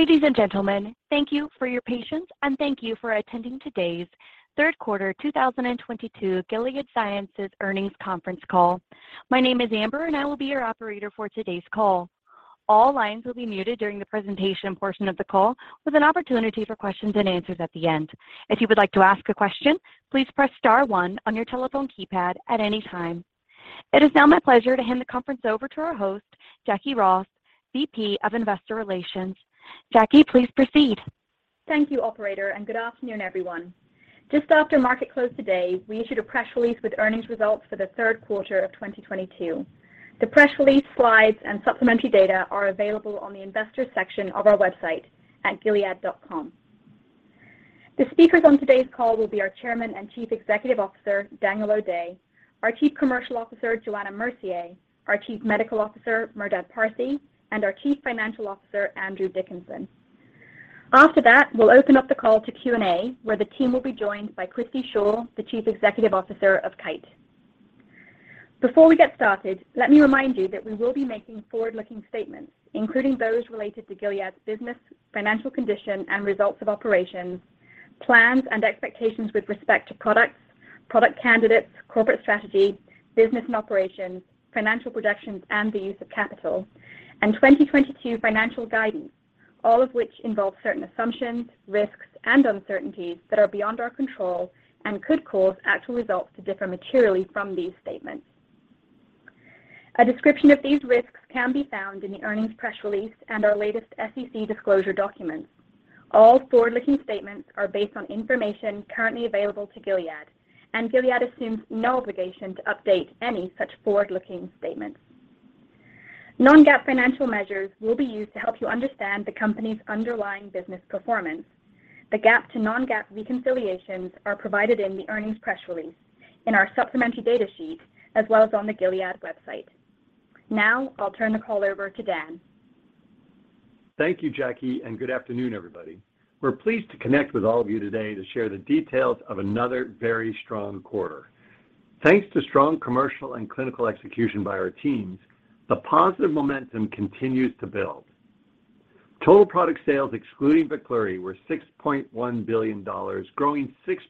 Ladies and gentlemen, thank you for your patience and thank you for attending today's third quarter 2022 Gilead Sciences earnings conference call. My name is Amber, and I will be your operator for today's call. All lines will be muted during the presentation portion of the call with an opportunity for questions and answers at the end. If you would like to ask a question, please press star one on your telephone keypad at any time. It is now my pleasure to hand the conference over to our host, Jacquie Ross, VP of Investor Relations. Jacquie, please proceed. Thank you, operator, and good afternoon, everyone. Just after market close today, we issued a press release with earnings results for the third quarter of 2022. The press release, slides, and supplementary data are available on the investors section of our website at gilead.com. The speakers on today's call will be our Chairman and Chief Executive Officer, Daniel O'Day, our Chief Commercial Officer, Johanna Mercier, our Chief Medical Officer, Merdad Parsey, and our Chief Financial Officer, Andrew Dickinson. After that, we'll open up the call to Q&A, where the team will be joined by Christi Shaw, the Chief Executive Officer of Kite. Before we get started, let me remind you that we will be making forward-looking statements, including those related to Gilead's business, financial condition and results of operations, plans and expectations with respect to products, product candidates, corporate strategy, business and operations, financial projections and the use of capital, and 2022 financial guidance, all of which involve certain assumptions, risks, and uncertainties that are beyond our control and could cause actual results to differ materially from these statements. A description of these risks can be found in the earnings press release and our latest SEC disclosure documents. All forward-looking statements are based on information currently available to Gilead, and Gilead assumes no obligation to update any such forward-looking statements. non-GAAP financial measures will be used to help you understand the company's underlying business performance. The GAAP to non-GAAP reconciliations are provided in the earnings press release in our supplementary data sheet, as well as on the Gilead website. Now I'll turn the call over to Dan. Thank you, Jacquie, and good afternoon, everybody. We're pleased to connect with all of you today to share the details of another very strong quarter. Thanks to strong commercial and clinical execution by our teams, the positive momentum continues to build. Total product sales excluding Veklury were $6.1 billion, growing 6%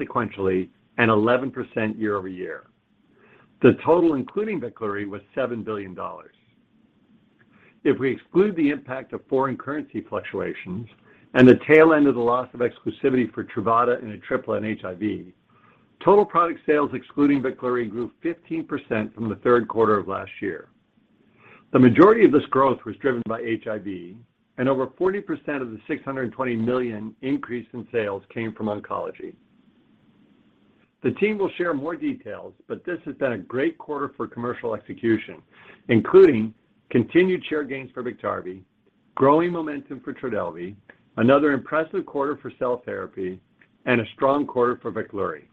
sequentially and 11% year-over-year. The total including Veklury was $7 billion. If we exclude the impact of foreign currency fluctuations and the tail end of the loss of exclusivity for Truvada and Atripla in HIV, total product sales excluding Veklury grew 15% from the third quarter of last year. The majority of this growth was driven by HIV, and over 40% of the $620 million increase in sales came from oncology. The team will share more details, but this has been a great quarter for commercial execution, including continued share gains for Biktarvy, growing momentum for Trodelvy, another impressive quarter for cell therapy, and a strong quarter for Veklury.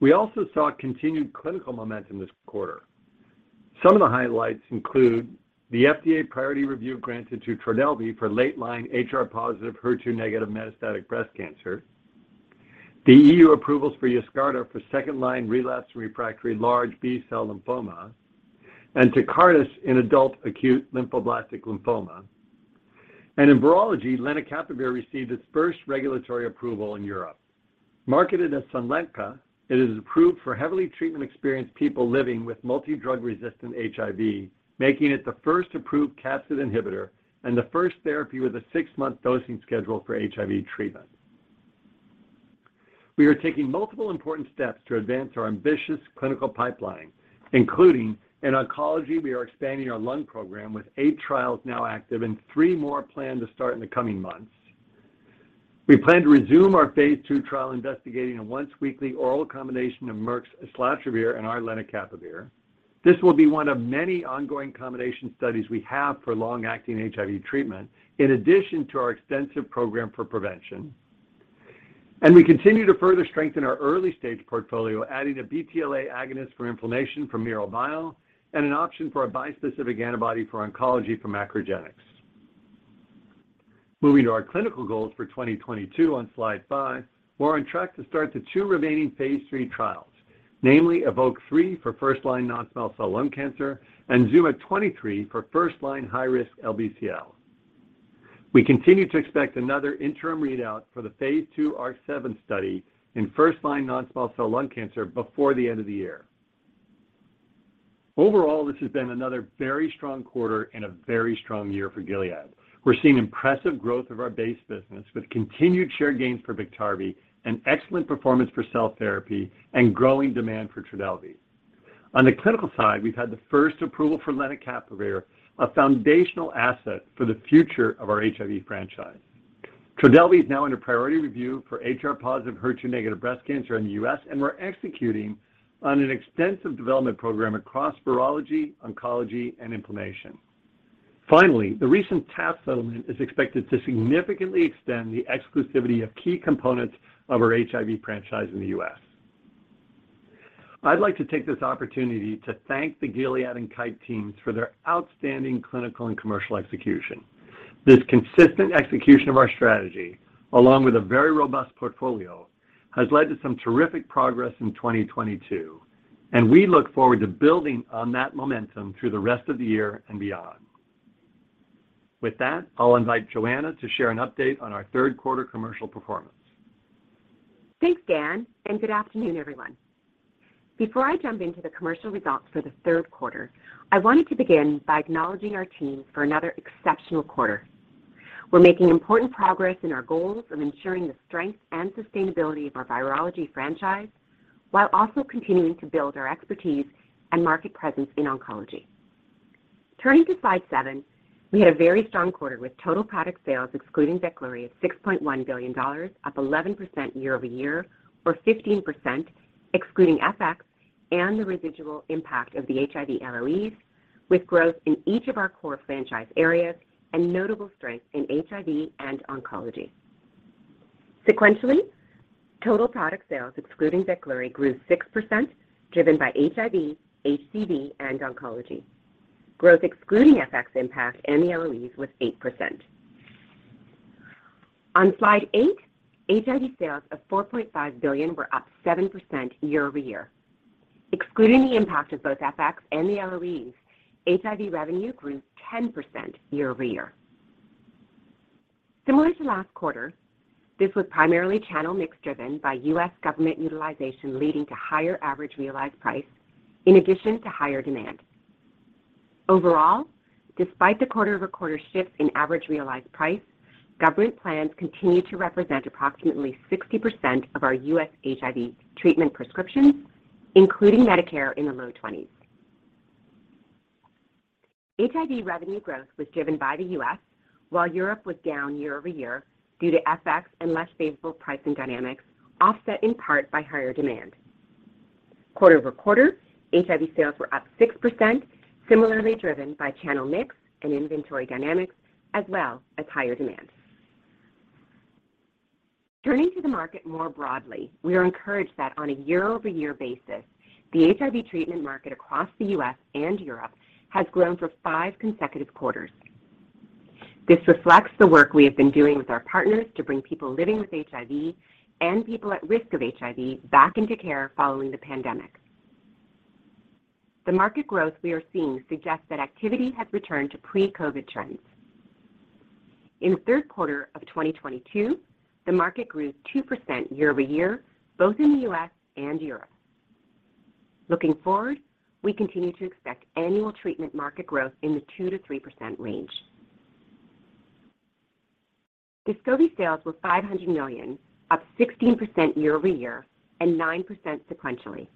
We also saw continued clinical momentum this quarter. Some of the highlights include the FDA priority review granted to Trodelvy for late-line HR+/HER2- Metastatic Breast Cancer, the EU approvals for Yescarta for second-line relapsed or refractory large B-cell lymphoma, and Tecartus in adult acute lymphoblastic leukemia. In virology, lenacapavir received its first regulatory approval in Europe. Marketed as Sunlenca, it is approved for heavily treatment-experienced people living with multi-drug-resistant HIV, making it the first approved capsid inhibitor and the first therapy with a six-month dosing schedule for HIV treatment. We are taking multiple important steps to advance our ambitious clinical pipeline, including in oncology. We are expanding our lung program with eight trials now active and three more planned to start in the coming months. We plan to resume our Phase 2 trial investigating a once-weekly oral combination of Merck's islatravir and our lenacapavir. This will be one of many ongoing combination studies we have for long-acting HIV treatment, in addition to our extensive program for prevention. We continue to further strengthen our early-stage portfolio, adding a BTLA agonist for inflammation from MiroBio and an option for a bispecific antibody for oncology from MacroGenics. Moving to our clinical goals for 2022 on slide five, we're on track to start the two remaining Phase 3 trials, namely EVOKE-03 for first-line non-small cell lung cancer and ZUMA-23 for first-line high-risk LBCL. We continue to expect another interim readout for the Phase 2 ARC-7 study in first-line non-small cell lung cancer before the end of the year. Overall, this has been another very strong quarter and a very strong year for Gilead. We're seeing impressive growth of our base business with continued share gains for Biktarvy and excellent performance for cell therapy and growing demand for Trodelvy. On the clinical side, we've had the first approval for lenacapavir, a foundational asset for the future of our HIV franchise. Trodelvy is now under priority review for HR+/HER2- Breast Cancer in the U.S., and we're executing on an extensive development program across virology, oncology, and inflammation. Finally, the recent TAF settlement is expected to significantly extend the exclusivity of key components of our HIV franchise in the U.S. I'd like to take this opportunity to thank the Gilead and Kite teams for their outstanding clinical and commercial execution. This consistent execution of our strategy, along with a very robust portfolio, has led to some terrific progress in 2022. We look forward to building on that momentum through the rest of the year and beyond. With that, I'll invite Johanna to share an update on our third quarter commercial performance. Thanks, Dan, and good afternoon, everyone. Before I jump into the commercial results for the third quarter, I wanted to begin by acknowledging our team for another exceptional quarter. We're making important progress in our goals of ensuring the strength and sustainability of our virology franchise while also continuing to build our expertise and market presence in oncology. Turning to slide seven, we had a very strong quarter with total product sales excluding Veklury at $6.1 billion, up 11% year-over-year or 15% excluding FX and the residual impact of the HIV LOEs, with growth in each of our core franchise areas and notable strength in HIV and oncology. Sequentially, total product sales excluding Veklury grew 6% driven by HIV, HCV, and oncology. Growth excluding FX impact and the LOEs was 8%. On slide eight, HIV sales of $4.5 billion were up 7% year-over-year. Excluding the impact of both FX and the LOEs, HIV revenue grew 10% year-over-year. Similar to last quarter, this was primarily channel mix driven by U.S. government utilization leading to higher average realized price in addition to higher demand. Overall, despite the quarter-over-quarter shift in average realized price, government plans continue to represent approximately 60% of our U.S. HIV treatment prescriptions, including Medicare in the low 20s. HIV revenue growth was driven by the U.S., while Europe was down year-over-year due to FX and less favorable pricing dynamics, offset in part by higher demand. Quarter-over-quarter, HIV sales were up 6%, similarly driven by channel mix and inventory dynamics as well as higher demand. Turning to the market more broadly, we are encouraged that on a year-over-year basis, the HIV treatment market across the U.S. and Europe has grown for five consecutive quarters. This reflects the work we have been doing with our partners to bring people living with HIV and people at risk of HIV back into care following the pandemic. The market growth we are seeing suggests that activity has returned to pre-COVID trends. In the third quarter of 2022, the market grew 2% year-over-year, both in the U.S. and Europe. Looking forward, we continue to expect annual treatment market growth in the 2%-3% range. Descovy sales were $500 million, up 16% year-over-year and 9% sequentially,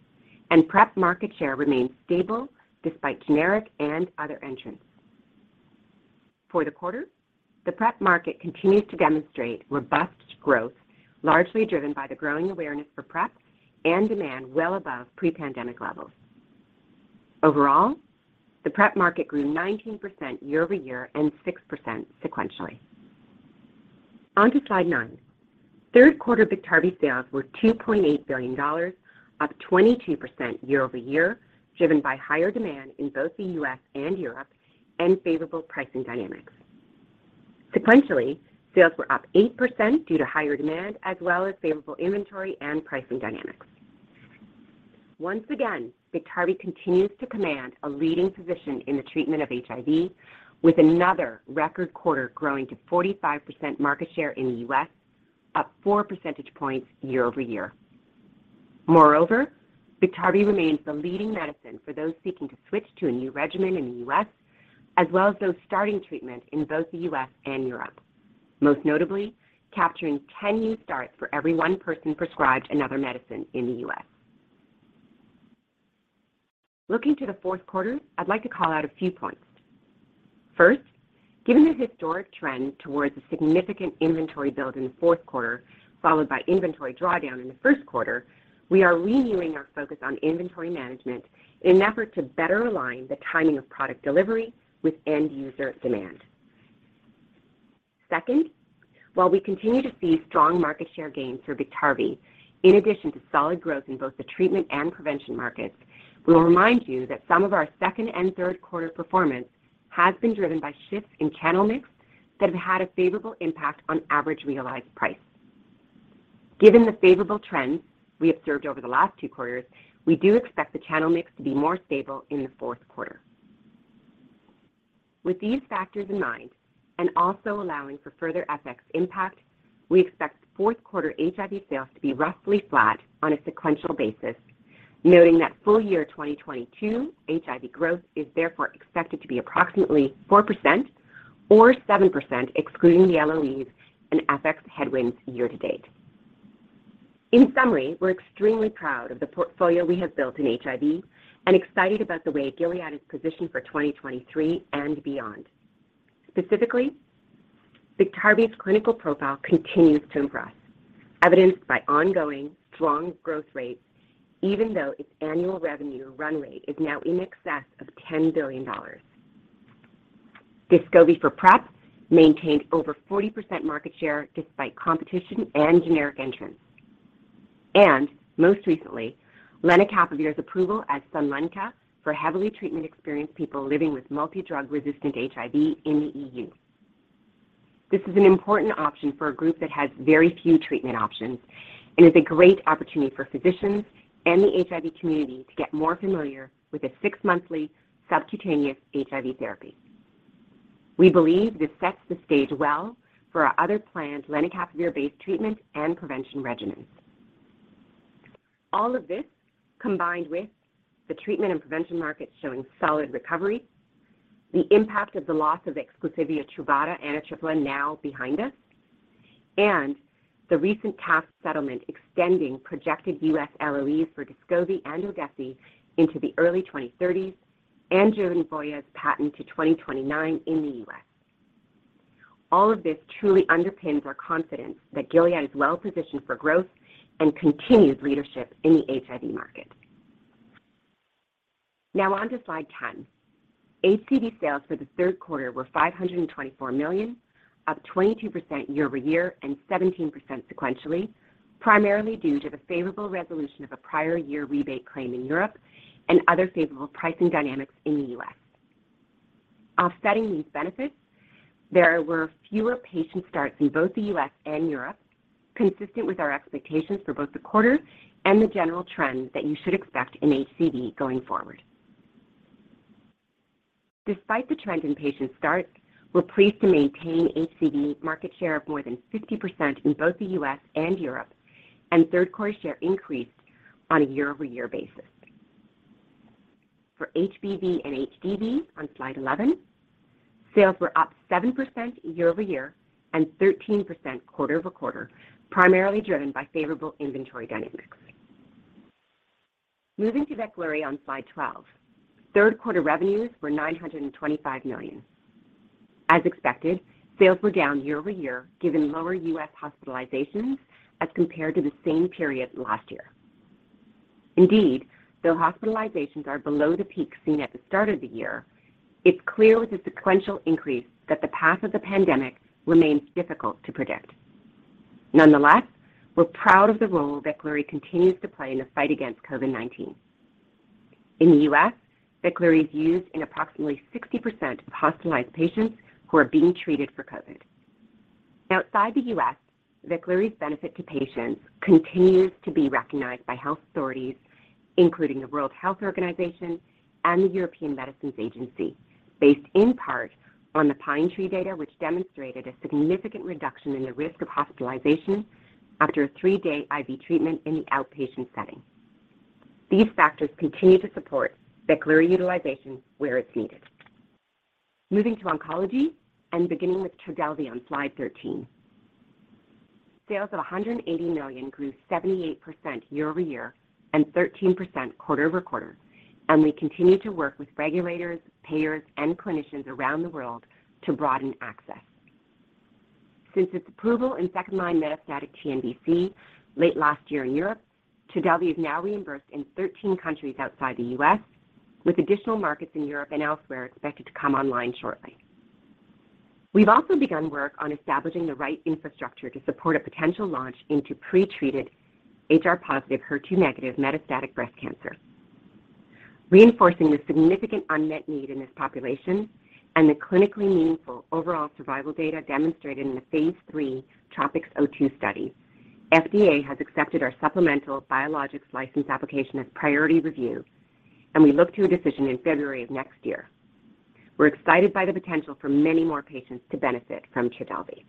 and PrEP market share remains stable despite generic and other entrants. For the quarter, the PrEP market continues to demonstrate robust growth, largely driven by the growing awareness for PrEP and demand well above pre-pandemic levels. Overall, the PrEP market grew 19% year-over-year and 6% sequentially. On to slide nine. Third quarter Biktarvy sales were $2.8 billion, up 22% year-over-year, driven by higher demand in both the U.S. and Europe and favorable pricing dynamics. Sequentially, sales were up 8% due to higher demand as well as favorable inventory and pricing dynamics. Once again, Biktarvy continues to command a leading position in the treatment of HIV with another record quarter growing to 45% market share in the U.S., up 4 percentage points year-over-year. Moreover, Biktarvy remains the leading medicine for those seeking to switch to a new regimen in the U.S. as well as those starting treatment in both the U.S. and Europe, most notably capturing 10 new starts for every one person prescribed another medicine in the U.S. Looking to the fourth quarter, I'd like to call out a few points. First, given the historic trend towards a significant inventory build in the fourth quarter followed by inventory drawdown in the first quarter, we are renewing our focus on inventory management in an effort to better align the timing of product delivery with end user demand. Second, while we continue to see strong market share gains for Biktarvy, in addition to solid growth in both the treatment and prevention markets, we will remind you that some of our second and third quarter performance has been driven by shifts in channel mix that have had a favorable impact on average realized price. Given the favorable trends we observed over the last two quarters, we do expect the channel mix to be more stable in the fourth quarter. With these factors in mind and also allowing for further FX impact, we expect fourth quarter HIV sales to be roughly flat on a sequential basis, noting that full year 2022 HIV growth is therefore expected to be approximately 4% or 7% excluding the LOEs and FX headwinds year-to-date. In summary, we're extremely proud of the portfolio we have built in HIV and excited about the way Gilead is positioned for 2023 and beyond. Specifically, Biktarvy's clinical profile continues to impress, evidenced by ongoing strong growth rates even though its annual revenue run rate is now in excess of $10 billion. Descovy for PrEP maintained over 40% market share despite competition and generic entrants. Most recently, lenacapavir's approval as Sunlenca for heavily treatment-experienced people living with multi-drug resistant HIV in the EU. This is an important option for a group that has very few treatment options and is a great opportunity for physicians and the HIV community to get more familiar with a six-monthly subcutaneous HIV therapy. We believe this sets the stage well for our other planned lenacapavir-based treatment and prevention regimens. All of this, combined with the treatment and prevention markets showing solid recovery, the impact of the loss of exclusivity of Truvada and Atripla now behind us, and the recent TAF settlement extending projected U.S. LOEs for Descovy and Odefsey into the early 2030s and Gilead's patent to 2029 in the U.S. All of this truly underpins our confidence that Gilead is well-positioned for growth and continued leadership in the HIV market. Now on to slide 10. HCV sales for the third quarter were $524 million, up 22% year-over-year and 17% sequentially, primarily due to the favorable resolution of a prior year rebate claim in Europe and other favorable pricing dynamics in the U.S. Offsetting these benefits, there were fewer patient starts in both the U.S. and Europe, consistent with our expectations for both the quarter and the general trend that you should expect in HCV going forward. Despite the trend in patient starts, we're pleased to maintain HCV market share of more than 50% in both the U.S. and Europe, and third quarter share increased on a year-over-year basis. For HBV and HDV on slide 11, sales were up 7% year-over-year and 13% quarter-over-quarter, primarily driven by favorable inventory dynamics. Moving to Veklury on slide 12, third quarter revenues were $925 million. As expected, sales were down year-over-year given lower U.S. hospitalizations as compared to the same period last year. Indeed, though hospitalizations are below the peak seen at the start of the year, it's clear with the sequential increase that the path of the pandemic remains difficult to predict. Nonetheless, we're proud of the role Veklury continues to play in the fight against COVID-19. In the U.S., Veklury is used in approximately 60% of hospitalized patients who are being treated for COVID. Outside the U.S., Veklury's benefit to patients continues to be recognized by health authorities, including the World Health Organization and the European Medicines Agency, based in part on the PINETREE data which demonstrated a significant reduction in the risk of hospitalization after a three-day IV treatment in the outpatient setting. These factors continue to support Veklury utilization where it's needed. Moving to oncology and beginning with Trodelvy on slide 13. Sales of $180 million grew 78% year-over-year and 13% quarter-over-quarter, and we continue to work with regulators, payers, and clinicians around the world to broaden access. Since its approval in second-line metastatic TNBC late last year in Europe, Trodelvy is now reimbursed in 13 countries outside the U.S., with additional markets in Europe and elsewhere expected to come online shortly. We've also begun work on establishing the right infrastructure to support a potential launch into pretreated HR+/HER2- Metastatic Breast Cancer. Reinforcing the significant unmet need in this population and the clinically meaningful overall survival data demonstrated in the Phase 3 TROPiCS-02 study, FDA has accepted our supplemental biologics license application as priority review, and we look to a decision in February of next year. We're excited by the potential for many more patients to benefit from Trodelvy.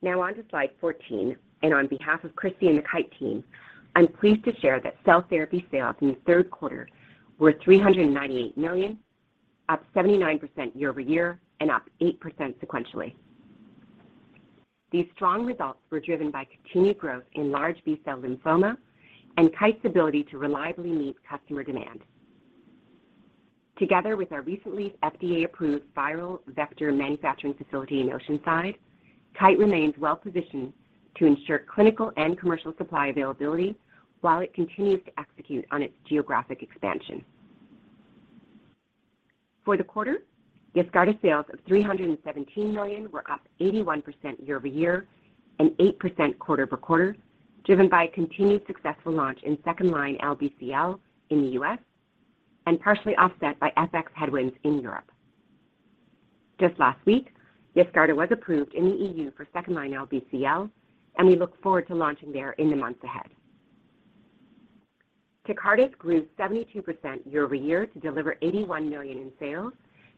Now on to slide 14, on behalf of Christi and the Kite team, I'm pleased to share that cell therapy sales in the third quarter were $398 million, up 79% year-over-year and up 8% sequentially. These strong results were driven by continued growth in large B-cell lymphoma and Kite's ability to reliably meet customer demand. Together with our recently FDA-approved viral vector manufacturing facility in Oceanside, Kite remains well-positioned to ensure clinical and commercial supply availability while it continues to execute on its geographic expansion. For the quarter, Yescarta sales of $317 million were up 81% year-over-year and 8% quarter-over-quarter, driven by a continued successful launch in second-line LBCL in the U.S. and partially offset by FX headwinds in Europe. Just last week, Yescarta was approved in the EU for second-line LBCL, and we look forward to launching there in the months ahead. Tecartus grew 72% year-over-year to deliver $81 million in sales,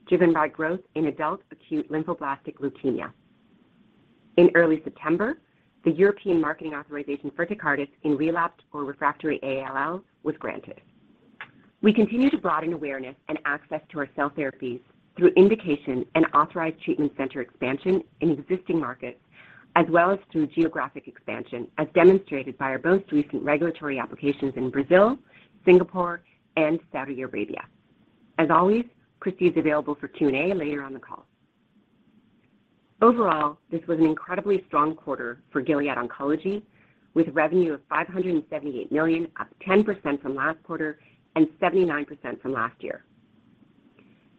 driven by growth in adult acute lymphoblastic leukemia. In early September, the European Marketing Authorization for Tecartus in relapsed or refractory ALL was granted. We continue to broaden awareness and access to our cell therapies through indication and authorized treatment center expansion in existing markets, as well as through geographic expansion, as demonstrated by our most recent regulatory applications in Brazil, Singapore, and Saudi Arabia. As always, Christ is available for Q&A later on the call. Overall, this was an incredibly strong quarter for Gilead Oncology, with revenue of $578 million, up 10% from last quarter and 79% from last year.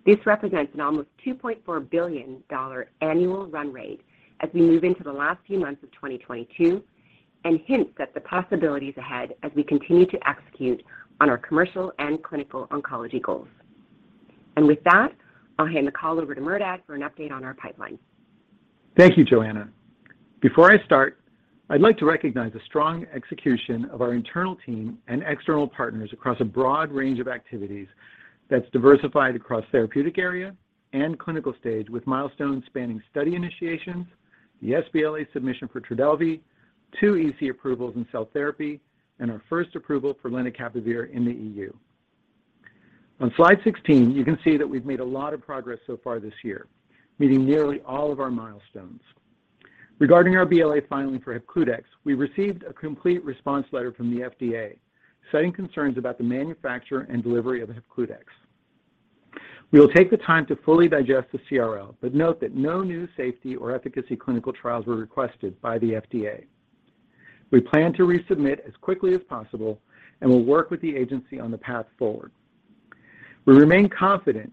This represents an almost $2.4 billion annual run rate as we move into the last few months of 2022. Hints at the possibilities ahead as we continue to execute on our commercial and clinical oncology goals. With that, I'll hand the call over to Merdad for an update on our pipeline. Thank you, Johanna. Before I start, I'd like to recognize the strong execution of our internal team and external partners across a broad range of activities that's diversified across therapeutic area and clinical stage with milestones spanning study initiations, the sBLA submission for Trodelvy, two EC approvals in cell therapy, and our first approval for lenacapavir in the EU. On slide 16, you can see that we've made a lot of progress so far this year, meeting nearly all of our milestones. Regarding our BLA filing for Hepcludex, we received a complete response letter from the FDA citing concerns about the manufacture and delivery of Hepcludex. We will take the time to fully digest the CRL, but note that no new safety or efficacy clinical trials were requested by the FDA. We plan to resubmit as quickly as possible and will work with the agency on the path forward. We remain confident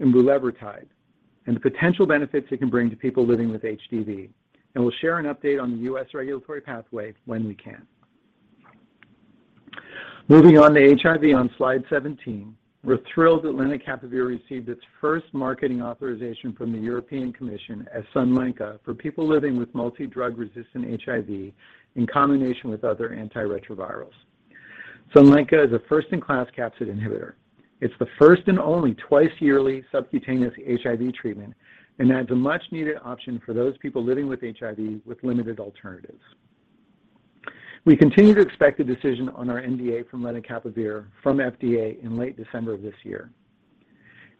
in bulevirtide and the potential benefits it can bring to people living with HDV, and we'll share an update on the U.S. regulatory pathway when we can. Moving on to HIV on slide 17, we're thrilled that lenacapavir received its first marketing authorization from the European Commission as Sunlenca for people living with multi-drug-resistant HIV in combination with other antiretrovirals. Sunlenca is a first-in-class capsid inhibitor. It's the first and only twice-yearly subcutaneous HIV treatment and adds a much-needed option for those people living with HIV with limited alternatives. We continue to expect a decision on our NDA for lenacapavir from the FDA in late December of this year.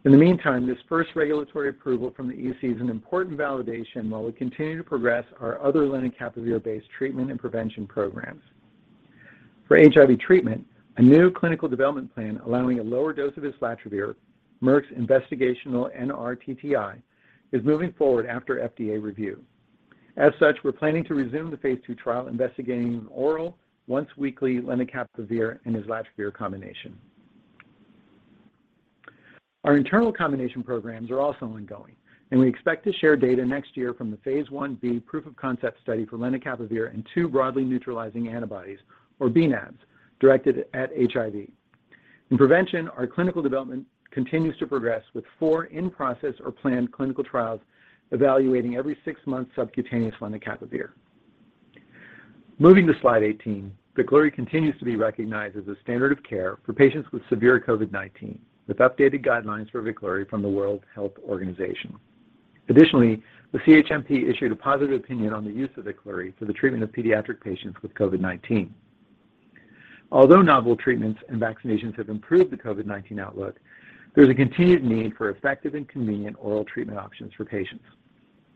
In the meantime, this first regulatory approval from the EC is an important validation while we continue to progress our other lenacapavir-based treatment and prevention programs. For HIV treatment, a new clinical development plan allowing a lower dose of islatravir, Merck's investigational NRTTI, is moving forward after FDA review. As such, we're planning to resume the Phase 2 trial investigating oral once-weekly lenacapavir and islatravir combination. Our internal combination programs are also ongoing, and we expect to share data next year from the Phase 1B proof of concept study for lenacapavir and two broadly neutralizing antibodies, or bNAbs, directed at HIV. In prevention, our clinical development continues to progress with four in-process or planned clinical trials evaluating every six-month subcutaneous lenacapavir. Moving to slide 18, Veklury continues to be recognized as a standard of care for patients with severe COVID-19, with updated guidelines for Veklury from the World Health Organization. Additionally, the CHMP issued a positive opinion on the use of Veklury for the treatment of pediatric patients with COVID-19. Although novel treatments and vaccinations have improved the COVID-19 outlook, there's a continued need for effective and convenient oral treatment options for patients.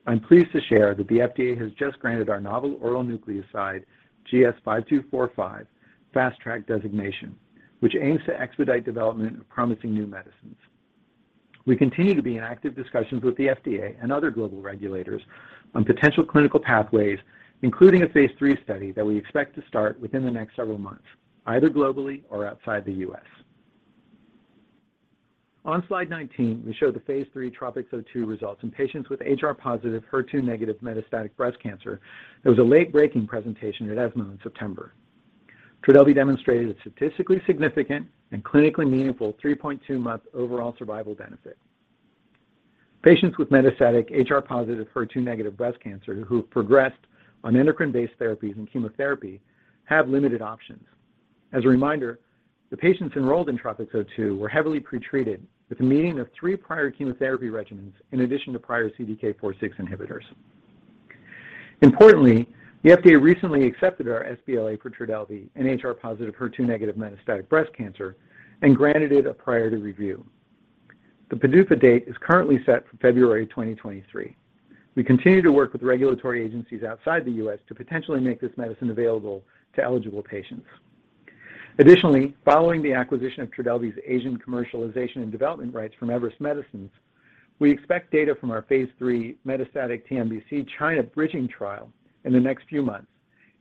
I'm pleased to share that the FDA has just granted our novel oral nucleoside GS-5245 Fast Track designation, which aims to expedite development of promising new medicines. We continue to be in active discussions with the FDA and other global regulators on potential clinical pathways, including a Phase 3 study that we expect to start within the next several months, either globally or outside the U.S. On slide 19, we show the Phase 3 TROPiCS-02 results in patients with HR+/HER2- Metastatic Breast Cancer. It was a late-breaking presentation at ESMO in September. Trodelvy demonstrated a statistically significant and clinically meaningful 3.2-month overall survival benefit. Patients with metastatic HR+HER2- breast cancer who have progressed on endocrine-based therapies and chemotherapy have limited options. As a reminder, the patients enrolled in TROPiCS-02 were heavily pretreated with a median of three prior chemotherapy regimens in addition to prior CDK4/6 inhibitors. Importantly, the FDA recently accepted our sBLA for Trodelvy in HR+/HER2- Metastatic Breast Cancer and granted it a priority review. The PDUFA date is currently set for February 2023. We continue to work with regulatory agencies outside the U.S. to potentially make this medicine available to eligible patients. Additionally, following the acquisition of Trodelvy's Asian commercialization and development rights from Everest Medicines, we expect data from our Phase 3 Metastatic TNBC China bridging trial in the next few months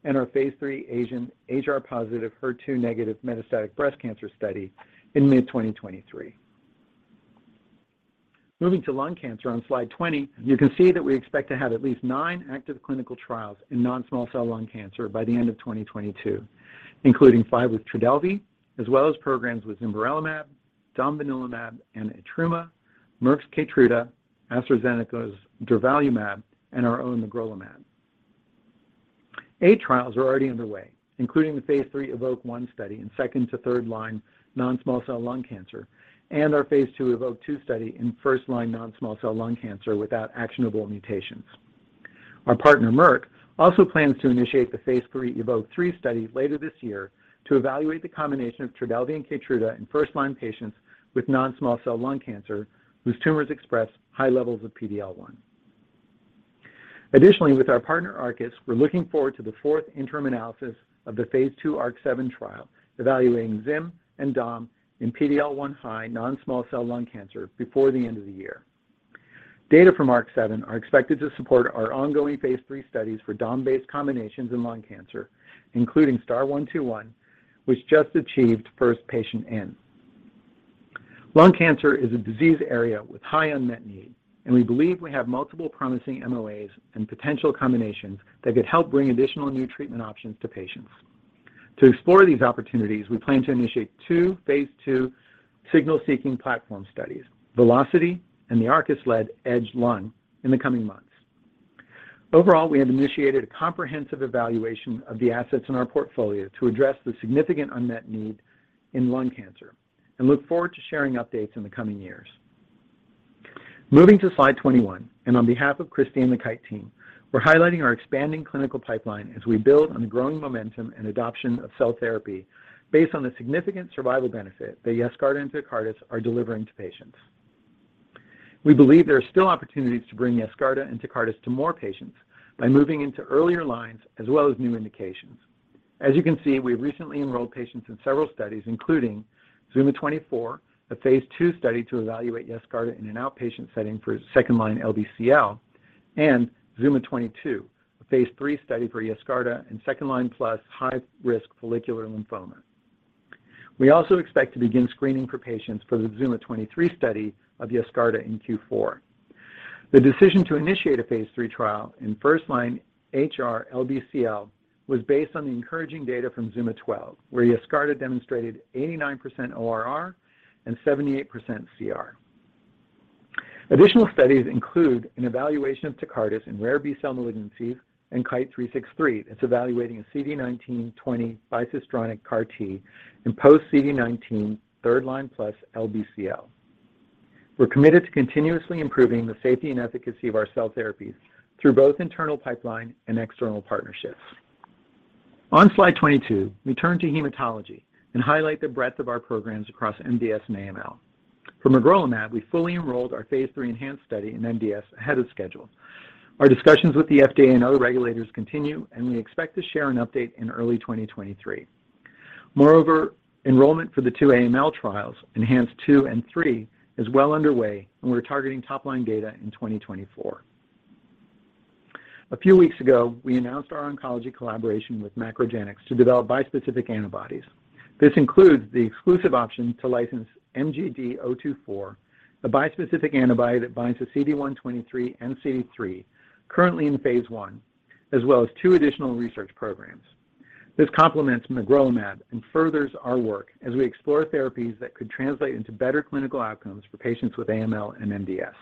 and our Phase 3 Asian HR+/HER2- Metastatic Breast Cancer study in mid-2023. Moving to lung cancer on slide 20, you can see that we expect to have at least nine active clinical trials in non-small cell lung cancer by the end of 2022, including five with Trodelvy, as well as programs with zimberelimab, domvanalimab and etrumadenant, Merck's Keytruda, AstraZeneca's durvalumab, and our own magrolimab. Eight trials are already underway, including the Phase 3 EVOKE-01 study in second- to third-line non-small cell lung cancer and our Phase 2 EVOKE-02 study in first-line non-small cell lung cancer without actionable mutations. Our partner, Merck, also plans to initiate the Phase 3 EVOKE-03 study later this year to evaluate the combination of Trodelvy and Keytruda in first-line patients with non-small cell lung cancer whose tumors express high levels of PD-L1. Additionally, with our partner, Arcus, we're looking forward to the fourth interim analysis of the Phase 2 ARC-7 trial evaluating zimberelimab and domvanalimab in PD-L1 high non-small cell lung cancer before the end of the year. Data from ARC-7 are expected to support our ongoing Phase 3 studies for domvanalimab-based combinations in lung cancer, including STAR-121, which just achieved first patient in. Lung cancer is a disease area with high unmet need, and we believe we have multiple promising MOAs and potential combinations that could help bring additional new treatment options to patients. To explore these opportunities, we plan to initiate two Phase 2 signal-seeking platform studies, VELOCITY-Lung and the Arcus-led EDGE-Lung, in the coming months. Overall, we have initiated a comprehensive evaluation of the assets in our portfolio to address the significant unmet need in lung cancer and look forward to sharing updates in the coming years. Moving to slide 21, on behalf of Christi and the Kite team, we're highlighting our expanding clinical pipeline as we build on the growing momentum and adoption of cell therapy based on the significant survival benefit that Yescarta and Tecartus are delivering to patients. We believe there are still opportunities to bring Yescarta and Tecartus to more patients by moving into earlier lines as well as new indications. As you can see, we recently enrolled patients in several studies, including ZUMA-24, a Phase 2 study to evaluate Yescarta in an outpatient setting for second-line LBCL, and ZUMA-22, a Phase 3 study for Yescarta in second-line plus high-risk follicular lymphoma. We also expect to begin screening for patients for the ZUMA-23 study of Yescarta in Q4. The decision to initiate a Phase 3 trial in first-line HR-LBCL was based on the encouraging data from ZUMA-12, where Yescarta demonstrated 89% ORR and 78% CR. Additional studies include an evaluation of Tecartus in rare B-cell malignancies and KITE-363. It's evaluating a CD19/CD20 bispecific CAR T in post CD19 3L+ LBCL. We're committed to continuously improving the safety and efficacy of our cell therapies through both internal pipeline and external partnerships. On slide 22, we turn to hematology and highlight the breadth of our programs across MDS and AML. For magrolimab, we fully enrolled our Phase 3 ENHANCE study in MDS ahead of schedule. Our discussions with the FDA and other regulators continue, and we expect to share an update in early 2023. Moreover, enrollment for the two AML trials, ENHANCE-2 and ENHANCE-3, is well underway, and we're targeting top-line data in 2024. A few weeks ago, we announced our oncology collaboration with MacroGenics to develop bispecific antibodies. This includes the exclusive option to license MGD024, a bispecific antibody that binds to CD123 and CD3, currently in Phase 1, as well as two additional research programs. This complements magrolimab and furthers our work as we explore therapies that could translate into better clinical outcomes for patients with AML and MDS.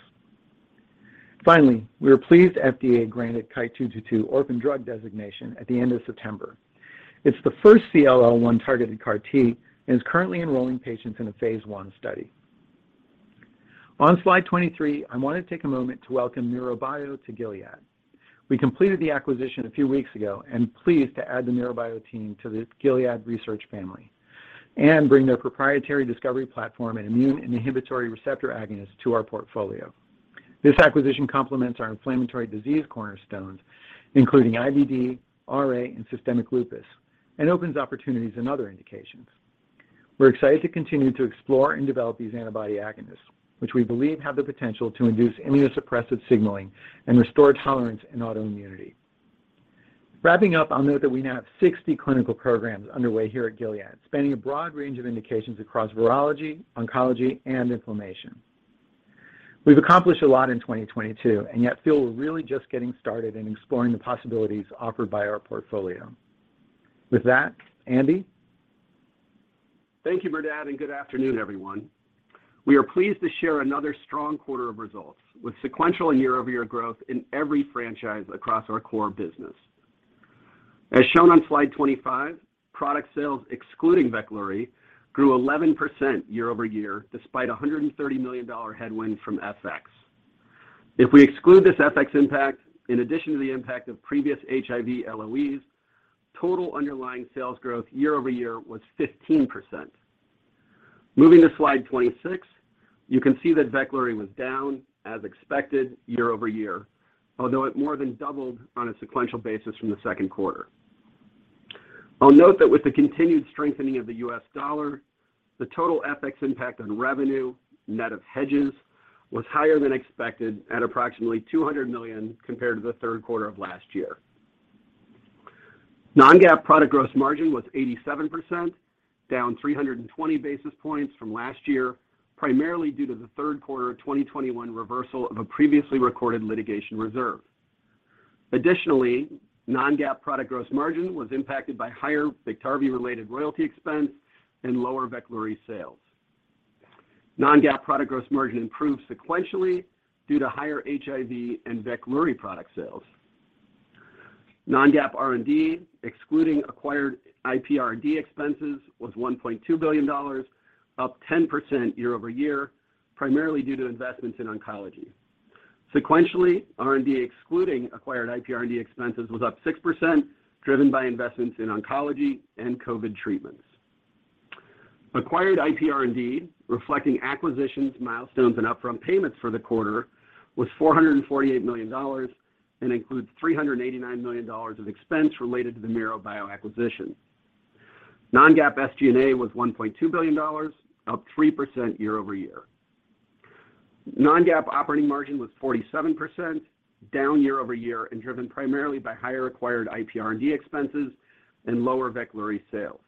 Finally, we are pleased FDA granted KITE-222 Orphan Drug Designation at the end of September. It's the first CLL-1 targeted CAR T and is currently enrolling patients in a Phase 1 study. On slide 23, I want to take a moment to welcome MiroBio to Gilead. We completed the acquisition a few weeks ago and pleased to add the MiroBio team to this Gilead research family and bring their proprietary discovery platform and immune inhibitory receptor agonist to our portfolio. This acquisition complements our inflammatory disease cornerstones, including IBD, RA, and systemic lupus, and opens opportunities in other indications. We're excited to continue to explore and develop these antibody agonists, which we believe have the potential to induce immunosuppressive signaling and restore tolerance and autoimmunity. Wrapping up, I'll note that we now have 60 clinical programs underway here at Gilead, spanning a broad range of indications across virology, oncology, and inflammation. We've accomplished a lot in 2022, and yet feel we're really just getting started in exploring the possibilities offered by our portfolio. With that, Andy? Thank you, Merdad, and good afternoon, everyone. We are pleased to share another strong quarter of results with sequential and year-over-year growth in every franchise across our core business. As shown on slide 25, product sales excluding Veklury grew 11% year over year despite a $130 million headwind from FX. If we exclude this FX impact, in addition to the impact of previous HIV LOEs, total underlying sales growth year over year was 15%. Moving to slide 26, you can see that Veklury was down as expected year over year, although it more than doubled on a sequential basis from the second quarter. I'll note that with the continued strengthening of the US dollar, the total FX impact on revenue net of hedges was higher than expected at approximately $200 million compared to the third quarter of last year. Non-GAAP product gross margin was 87%, down 320 basis points from last year, primarily due to the third quarter of 2021 reversal of a previously recorded litigation reserve. Additionally, non-GAAP product gross margin was impacted by higher Biktarvy-related royalty expense and lower Veklury sales. Non-GAAP product gross margin improved sequentially due to higher HIV and Veklury product sales. Non-GAAP R&D, excluding acquired IPR&D expenses, was $1.2 billion, up 10% year-over-year, primarily due to investments in oncology. Sequentially, R&D, excluding acquired IPR&D expenses, was up 6%, driven by investments in oncology and COVID treatments. Acquired IPR&D, reflecting acquisitions, milestones, and upfront payments for the quarter, was $448 million and includes $389 million of expense related to the MiroBio acquisition. Non-GAAP SG&A was $1.2 billion, up 3% year-over-year. Non-GAAP operating margin was 47% down year-over-year and driven primarily by higher acquired IPR&D expenses and lower Veklury sales.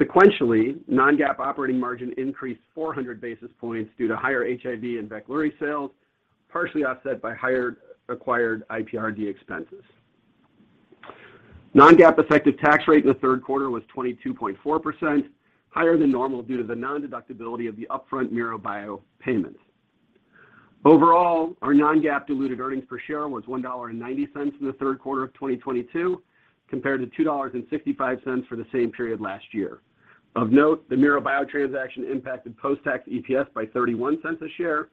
Sequentially, non-GAAP operating margin increased 400 basis points due to higher HIV and Veklury sales, partially offset by higher acquired IPR&D expenses. Non-GAAP effective tax rate in the third quarter was 22.4% higher than normal due to the non-deductibility of the upfront MiroBio payments. Overall, our non-GAAP diluted earnings per share was $1.90 in the third quarter of 2022 compared to $2.65 for the same period last year. Of note, the MiroBio transaction impacted post-tax EPS by 31 cents a share,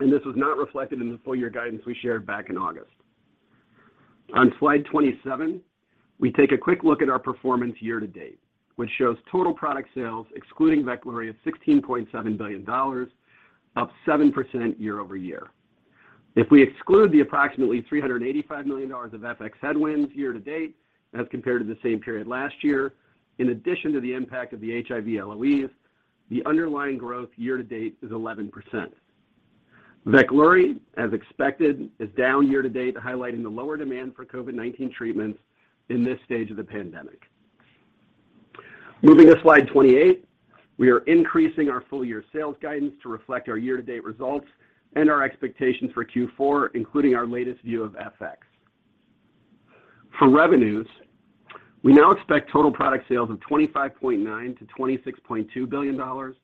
and this was not reflected in the full-year guidance we shared back in August. On slide 27, we take a quick look at our performance year to date, which shows total product sales excluding Veklury of $16.7 billion, up 7% year-over-year. If we exclude the approximately $385 million of FX headwinds year to date as compared to the same period last year, in addition to the impact of the HIV LOEs, the underlying growth year to date is 11%. Veklury, as expected, is down year to date, highlighting the lower demand for COVID-19 treatments in this stage of the pandemic. Moving to slide 28, we are increasing our full year sales guidance to reflect our year to date results and our expectations for Q4, including our latest view of FX. For revenues, we now expect total product sales of $25.9 billion-$26.2 billion,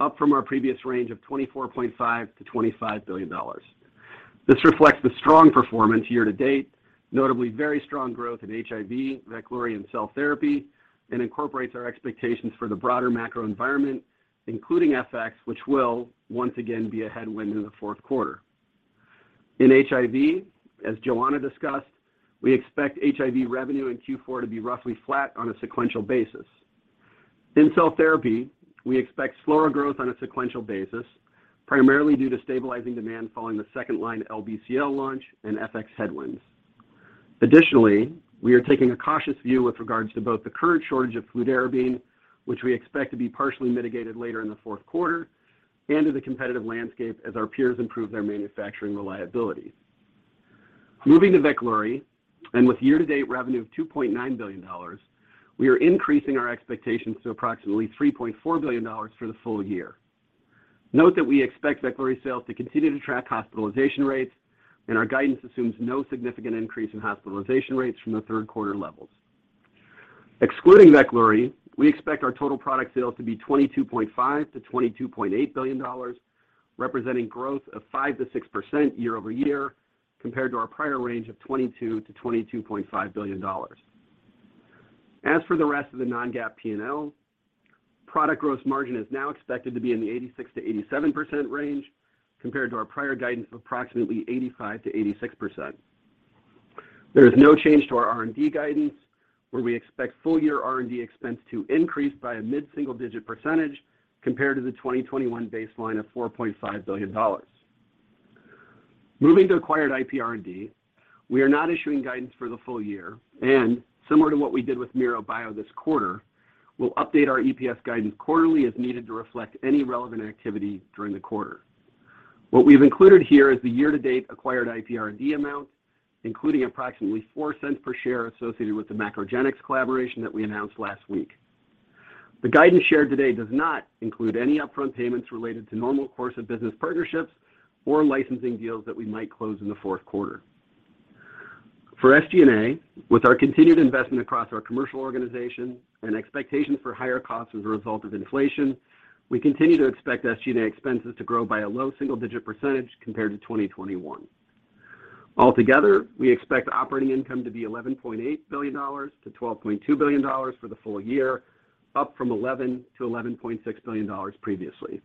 up from our previous range of $24.5 billion-$25 billion. This reflects the strong performance year to date, notably very strong growth in HIV, Veklury and cell therapy, and incorporates our expectations for the broader macro environment, including FX, which will once again be a headwind in the fourth quarter. In HIV, as Joanna discussed, we expect HIV revenue in Q4 to be roughly flat on a sequential basis. In cell therapy, we expect slower growth on a sequential basis, primarily due to stabilizing demand following the second line LBCL launch and FX headwinds. Additionally, we are taking a cautious view with regards to both the current shortage of fludarabine, which we expect to be partially mitigated later in the fourth quarter, and to the competitive landscape as our peers improve their manufacturing reliability. Moving to Veklury, and with year-to-date revenue of $2.9 billion, we are increasing our expectations to approximately $3.4 billion for the full year. Note that we expect Veklury sales to continue to track hospitalization rates, and our guidance assumes no significant increase in hospitalization rates from the third quarter levels. Excluding Veklury, we expect our total product sales to be $22.5 billion-$22.8 billion, representing growth of 5%-6% year-over-year compared to our prior range of $22 billion-$22.5 billion. As for the rest of the non-GAAP P&L, product gross margin is now expected to be in the 86%-87% range compared to our prior guidance of approximately 85%-86%. There is no change to our R&D guidance, where we expect full year R&D expense to increase by a mid-single digit percentage compared to the 2021 baseline of $4.5 billion. Moving to acquired IP R&D, we are not issuing guidance for the full year and similar to what we did with MiroBio this quarter, we'll update our EPS guidance quarterly as needed to reflect any relevant activity during the quarter. What we've included here is the year to date acquired IP R&D amount, including approximately $0.04 per share associated with the MacroGenics collaboration that we announced last week. The guidance shared today does not include any upfront payments related to normal course of business partnerships or licensing deals that we might close in the fourth quarter. For SG&A, with our continued investment across our commercial organization and expectations for higher costs as a result of inflation, we continue to expect SG&A expenses to grow by a low single-digit percentage compared to 2021. Altogether, we expect operating income to be $11.8 billion-$12.2 billion for the full year, up from $11 billion-$11.6 billion previously.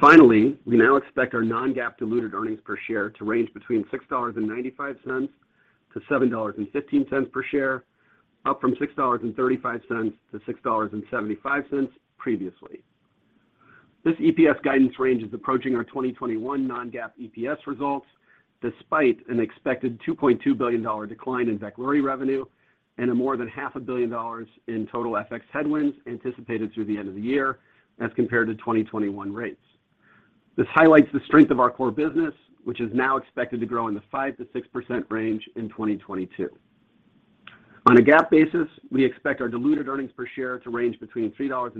Finally, we now expect our non-GAAP diluted earnings per share to range between $6.95-$7.15 per share, up from $6.35-$6.75 previously. This EPS guidance range is approaching our 2021 non-GAAP EPS results, despite an expected $2.2 billion decline in Veklury revenue and a more than $0.5 billioin In total FX headwinds anticipated through the end of the year as compared to 2021 rates. This highlights the strength of our core business, which is now expected to grow in the 5%-6% range in 2022. On a GAAP basis, we expect our diluted earnings per share to range between $3.35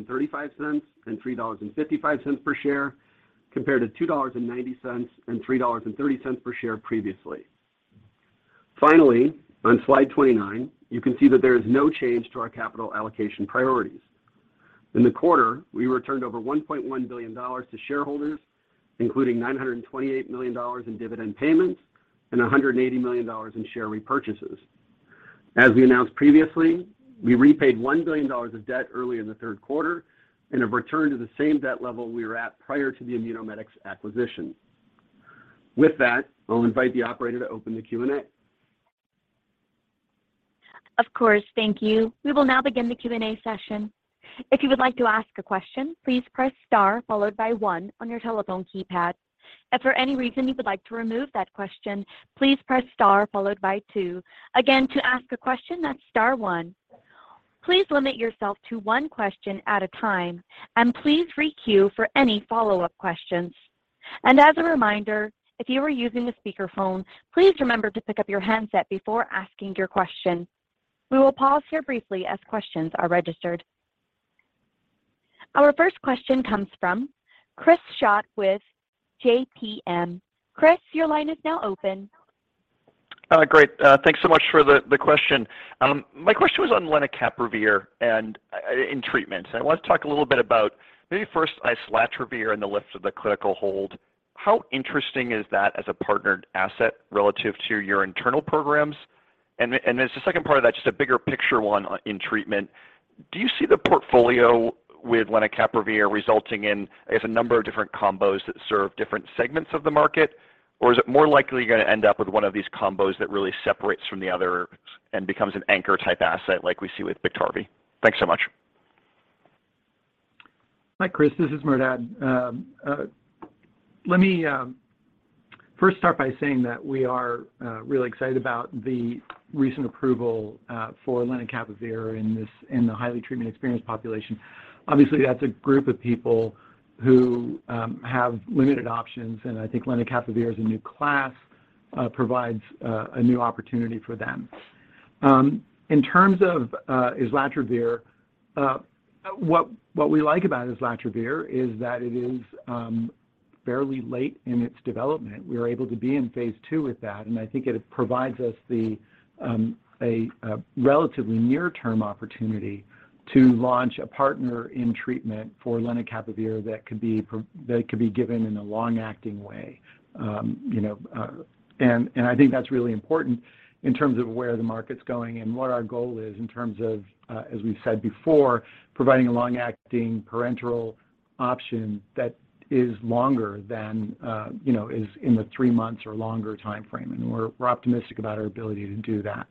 and $3.55 per share compared to $2.90 and $3.30 per share previously. Finally, on slide 29, you can see that there is no change to our capital allocation priorities. In the quarter, we returned over $1.1 billion to shareholders, including $928 million in dividend payments and $180 million in share repurchases. As we announced previously, we repaid $1 billion of debt early in the third quarter and have returned to the same debt level we were at prior to the Immunomedics acquisition. With that, I'll invite the operator to open the Q&A. Of course. Thank you. We will now begin the Q&A session. If you would like to ask a question, please press star followed by one on your telephone keypad. If for any reason you would like to remove that question, please press star followed by two. Again, to ask a question, that's star one. Please limit yourself to one question at a time, and please re-queue for any follow-up questions. As a reminder, if you are using a speakerphone, please remember to pick up your handset before asking your question. We will pause here briefly as questions are registered. Our first question comes from Chris Schott with JPM. Chris, your line is now open. Great. Thanks so much for the question. My question was on lenacapavir and in treatment. I want to talk a little bit about maybe first islatravir and the lift of the clinical hold. How interesting is that as a partnered asset relative to your internal programs? As a second part of that, just a bigger picture one in treatment. Do you see the portfolio with lenacapavir resulting in, I guess, a number of different combos that serve different segments of the market? Or is it more likely you're gonna end up with one of these combos that really separates from the others and becomes an anchor-type asset like we see with Biktarvy? Thanks so much. Hi, Chris. This is Merdad. Let me first start by saying that we are really excited about the recent approval for lenacapavir in the highly treatment-experienced population. Obviously, that's a group of people who have limited options, and I think lenacapavir as a new class provides a new opportunity for them. In terms of islatravir, what we like about islatravir is that it is fairly late in its development. We are able to be in Phase 2 with that, and I think it provides us a relatively near-term opportunity to launch a partner in treatment for lenacapavir that could be given in a long-acting way. You know, I think that's really important in terms of where the market's going and what our goal is in terms of, as we've said before, providing a long-acting parenteral option that is longer than, you know, is in the three months or longer timeframe, and we're optimistic about our ability to do that.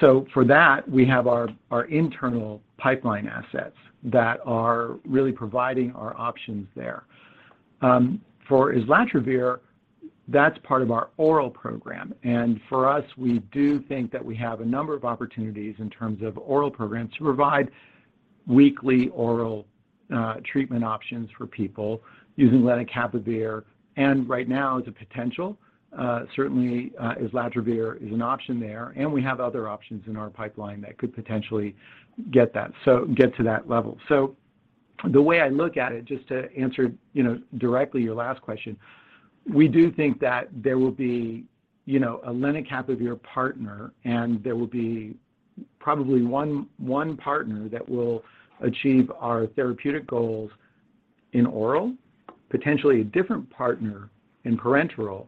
For that, we have our internal pipeline assets that are really providing our options there. For islatravir, that's part of our oral program. For us, we do think that we have a number of opportunities in terms of oral programs to provide weekly oral treatment options for people using lenacapavir. Right now, the potential certainly islatravir is an option there, and we have other options in our pipeline that could potentially get to that level. The way I look at it, just to answer, you know, directly your last question, we do think that there will be, you know, a lenacapavir partner, and there will be probably one partner that will achieve our therapeutic goals in oral, potentially a different partner in parenteral.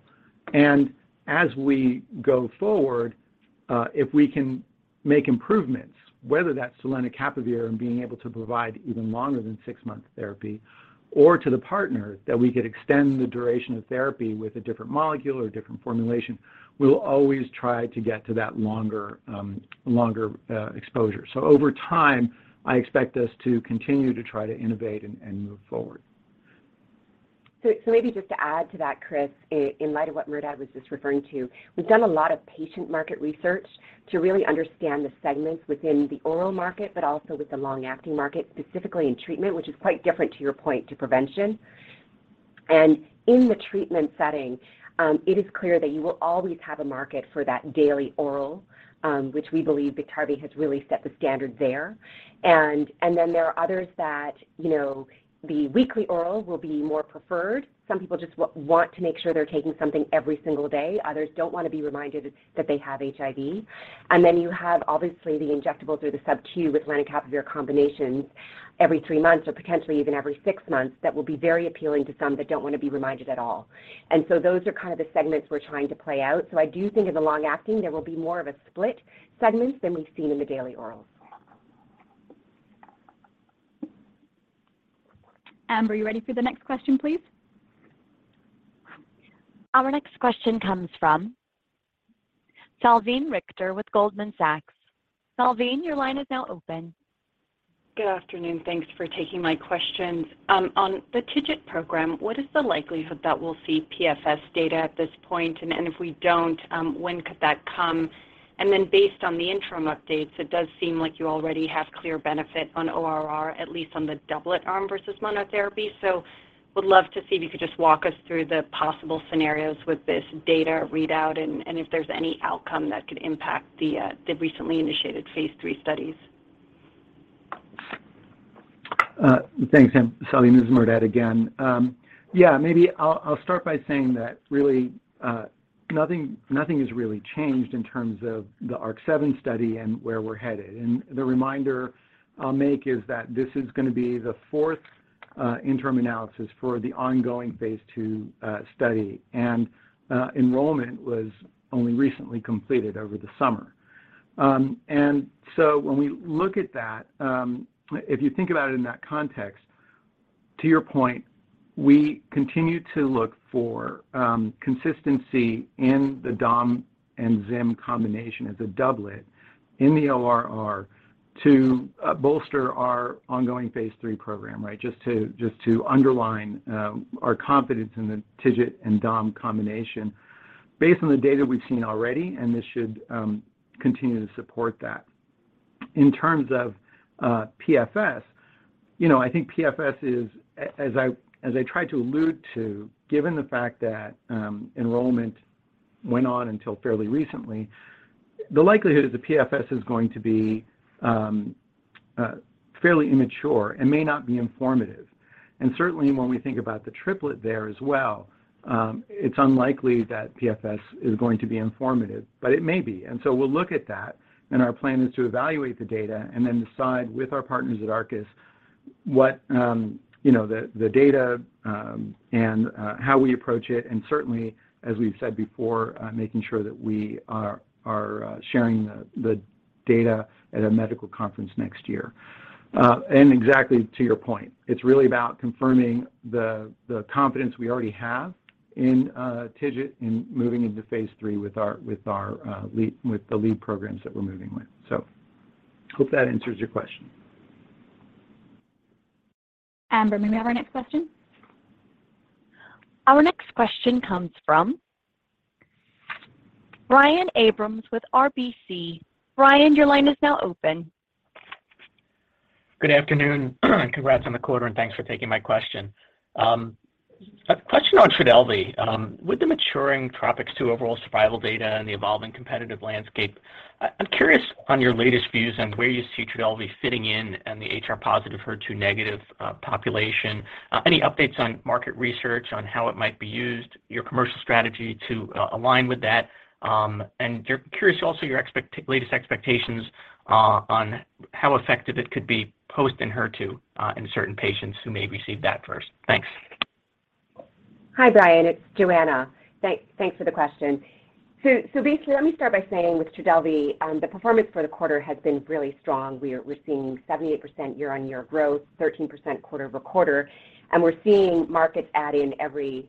As we go forward, if we can make improvements, whether that's to lenacapavir and being able to provide even longer than six-month therapy or to the partner that we could extend the duration of therapy with a different molecule or different formulation, we'll always try to get to that longer exposure. Over time, I expect us to continue to try to innovate and move forward. Maybe just to add to that, Chris, in light of what Merdad was just referring to, we've done a lot of patient market research to really understand the segments within the oral market, but also with the long-acting market, specifically in treatment, which is quite different, to your point, to prevention. In the treatment setting, it is clear that you will always have a market for that daily oral, which we believe Biktarvy has really set the standard there. Then there are others that, you know, the weekly oral will be more preferred. Some people just want to make sure they're taking something every single day. Others don't wanna be reminded that they have HIV. You have obviously the injectable through the SubQ with lenacapavir combinations every three months or potentially even every six months that will be very appealing to some that don't wanna be reminded at all. Those are kind of the segments we're trying to play out. I do think in the long acting, there will be more of a split segment than we've seen in the daily orals. Amber, are you ready for the next question, please? Our next question comes from Salveen Richter with Goldman Sachs. Salveen, your line is now open. Good afternoon. Thanks for taking my questions. On the TIGIT program, what is the likelihood that we'll see PFS data at this point? If we don't, when could that come? Based on the interim updates, it does seem like you already have clear benefit on ORR, at least on the doublet arm versus monotherapy. Would love to see if you could just walk us through the possible scenarios with this data readout and if there's any outcome that could impact the recently initiated Phase 3 studies. Thanks, Salveen. This is Merdad again. Nothing has changed in terms of the ARC-7 study and where we're headed. The reminder I'll make is that this is gonna be the fourth interim analysis for the ongoing Phase 2 study, and enrollment was only recently completed over the summer. When we look at that, if you think about it in that context, to your point, we continue to look for consistency in the dom and zim combination as a doublet in the ORR to bolster our ongoing Phase 3 program, right? Just to underline our confidence in the TIGIT and Dom combination based on the data we've seen already, and this should continue to support that. In terms of PFS, you know, I think PFS is as I tried to allude to, given the fact that enrollment went on until fairly recently, the likelihood is the PFS is going to be fairly immature and may not be informative. Certainly when we think about the triplet there as well, it's unlikely that PFS is going to be informative, but it may be. We'll look at that, and our plan is to evaluate the data and then decide with our partners at Arcus what, you know, the data and how we approach it, and certainly, as we've said before, making sure that we are sharing the data at a medical conference next year. Exactly to your point, it's really about confirming the confidence we already have in TIGIT in moving into phase three with the lead programs that we're moving with. Hope that answers your question. Amber, may we have our next question? Our next question comes from Brian Abrahams with RBC. Brian, your line is now open. Good afternoon. Congrats on the quarter, and thanks for taking my question. A question on Trodelvy. With the maturing TROPiCS-02 overall survival data and the evolving competitive landscape, I'm curious on your latest views on where you see Trodelvy fitting in the HR+/HER2- population. Any updates on market research on how it might be used, your commercial strategy to align with that, and curious also your latest expectations on how effective it could be post-Enhertu in certain patients who may receive that first. Thanks. Hi, Brian. It's Johanna. Thanks for the question. Basically, let me start by saying with Trodelvy, the performance for the quarter has been really strong. We're seeing 78% year-on-year growth, 13% quarter-over-quarter, and we're seeing markets add in every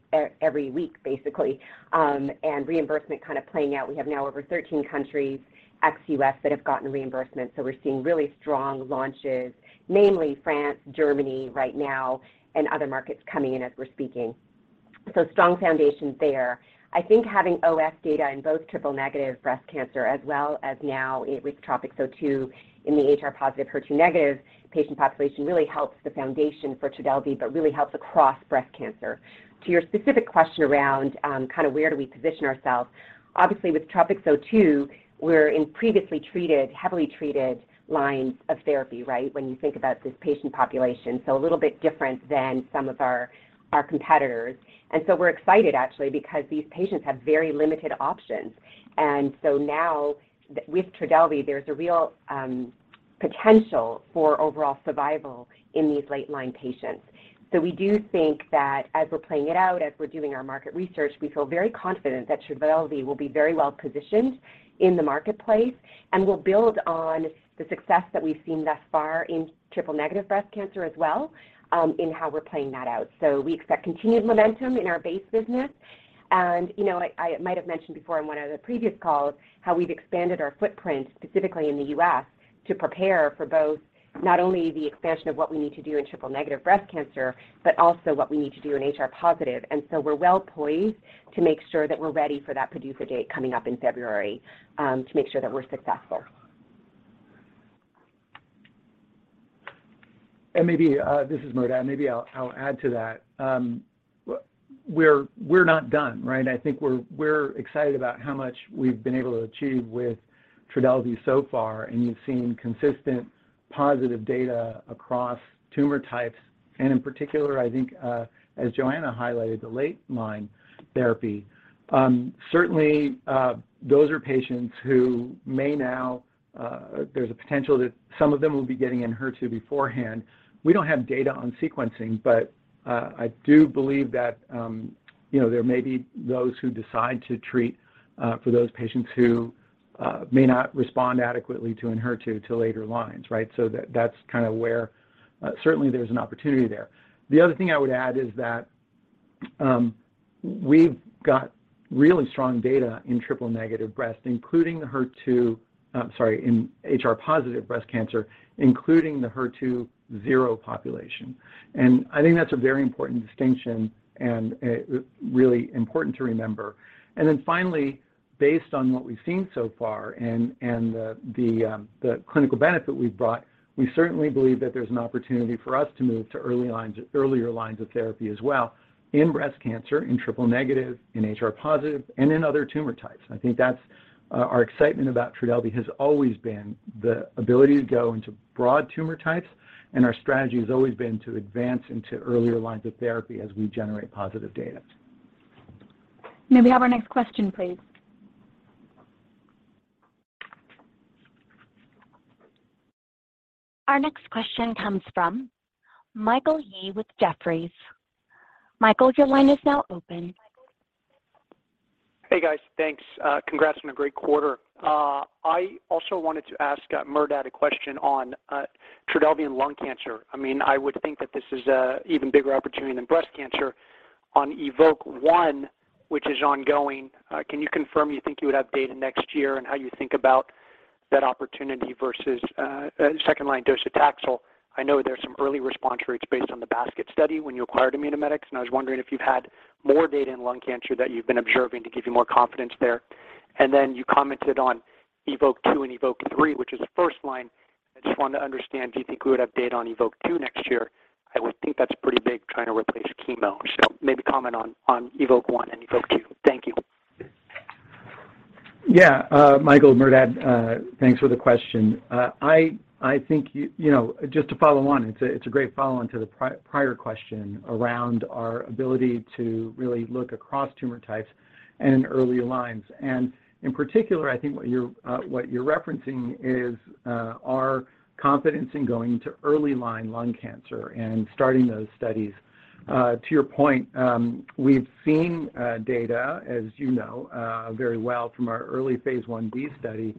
week, basically, and reimbursement kind of playing out. We have now over 13 countries ex-US that have gotten reimbursement. We're seeing really strong launches, namely France, Germany right now and other markets coming in as we're speaking. Strong foundations there. I think having OS data in both triple-negative breast cancer as well as now with TROPiCS-02 in the HR+/HER2-patient population really helps the foundation for Trodelvy, but really helps across breast cancer. To your specific question around, kind of where do we position ourselves, obviously with TROPiCS-02, we're in previously treated, heavily treated lines of therapy, right, when you think about this patient population, a little bit different than some of our competitors. We're excited actually because these patients have very limited options. Now with Trodelvy, there's a real potential for overall survival in these late line patients. We do think that as we're playing it out, as we're doing our market research, we feel very confident that Trodelvy will be very well positioned in the marketplace and will build on the success that we've seen thus far in triple-negative breast cancer as well, in how we're playing that out. We expect continued momentum in our base business. You know, I might have mentioned before in one of the previous calls how we've expanded our footprint, specifically in the U.S., to prepare for both not only the expansion of what we need to do in triple-negative breast cancer, but also what we need to do in HR+. We're well poised to make sure that we're ready for that PDUFA date coming up in February, to make sure that we're successful. Maybe this is Merdad, maybe I'll add to that. We're not done, right? I think we're excited about how much we've been able to achieve with Trodelvy so far, and you've seen consistent positive data across tumor types and in particular, I think, as Joanna highlighted, the late line therapy. Certainly, those are patients who may now, there's a potential that some of them will be getting Enhertu beforehand. We don't have data on sequencing, but, I do believe that, you know, there may be those who decide to treat, for those patients who, may not respond adequately to an Enhertu to later lines, right? That, that's kind of where, certainly there's an opportunity there. The other thing I would add is that we've got really strong data in HR+ Breast Cancer, including the HER2-zero population. I think that's a very important distinction and really important to remember. Then finally, based on what we've seen so far, the clinical benefit we've brought, we certainly believe that there's an opportunity for us to move to earlier lines of therapy as well in breast cancer, in triple negative, in HR+, and in other tumor types. I think that's our excitement about Trodelvy has always been the ability to go into broad tumor types, and our strategy has always been to advance into earlier lines of therapy as we generate positive data. May we have our next question, please? Our next question comes from Michael Yee with Jefferies. Michael, your line is now open. Hey, guys. Thanks. Congrats on a great quarter. I also wanted to ask, Merdad a question on Trodelvy and lung cancer. I mean, I would think that this is a even bigger opportunity than breast cancer. On EVOKE-01, which is ongoing, can you confirm you think you would have data next year and how you think about that opportunity versus second-line docetaxel? I know there's some early response rates based on the basket study when you acquired Immunomedics, and I was wondering if you've had more data in lung cancer that you've been observing to give you more confidence there. You commented on EVOKE-02 and EVOKE-03, which is first line. I just wanted to understand, do you think we would have data on EVOKE-02 next year? I would think that's pretty big trying to replace chemo. Maybe comment on EVOKE-01 and EVOKE-02. Thank you. Yeah. Michael, Merdad, thanks for the question. I think you know, just to follow on, it's a great follow-on to the prior question around our ability to really look across tumor types and in early lines. In particular, I think what you're referencing is our confidence in going into early line lung cancer and starting those studies. To your point, we've seen data, as you know, very well from our early Phase 1b study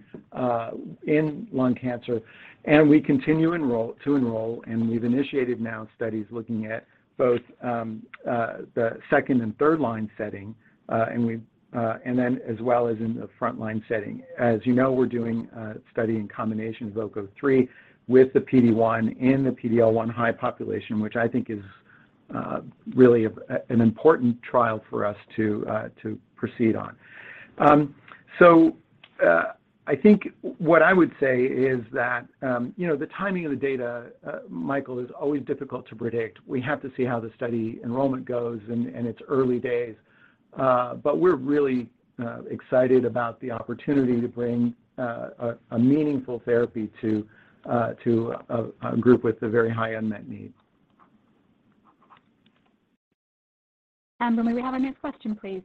in lung cancer, and we continue to enroll, and we've initiated now studies looking at both the second- and third-line setting, and then as well as in the frontline setting. As you know, we're doing a study in combination EVOKE-03 with the PD-1 and the PD-L1 high population, which I think is really an important trial for us to proceed on. I think what I would say is that, you know, the timing of the data, Michael, is always difficult to predict. We have to see how the study enrollment goes and it's early days, but we're really excited about the opportunity to bring a meaningful therapy to a group with a very high unmet need. Amber, may we have our next question, please?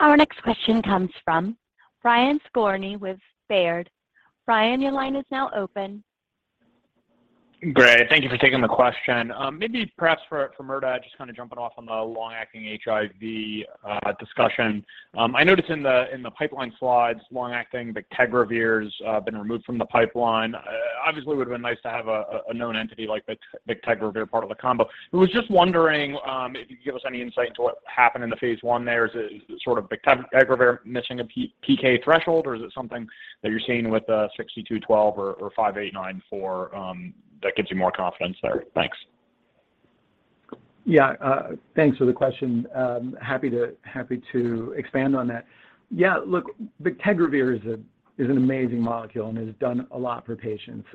Our next question comes from Brian Skorney with Baird. Brian, your line is now open. Great. Thank you for taking the question. Maybe perhaps for Merdad, just kinda jumping off on the long-acting HIV discussion. I noticed in the pipeline slides, long-acting bictegravir's been removed from the pipeline. Obviously would've been nice to have a known entity like bictegravir part of the combo. Was just wondering if you could give us any insight into what happened in the Phase 1 there. Is it sort of bictegravir missing a PK threshold, or is it something that you're seeing with GS-6212 or GS-5894 that gives you more confidence there? Thanks. Yeah. Thanks for the question. Happy to expand on that. Yeah, look, bictegravir is an amazing molecule and has done a lot for patients.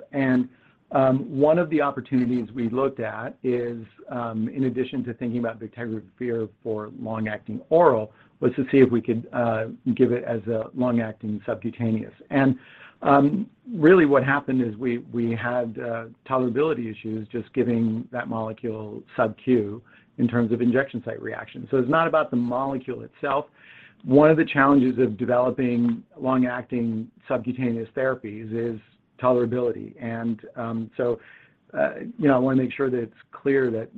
One of the opportunities we looked at is, in addition to thinking about bictegravir for long-acting oral, to see if we could give it as a long-acting subcutaneous. Really what happened is we had tolerability issues just giving that molecule sub-Q in terms of injection site reactions. It's not about the molecule itself. One of the challenges of developing long-acting subcutaneous therapies is tolerability. You know, I want to make sure that it's clear that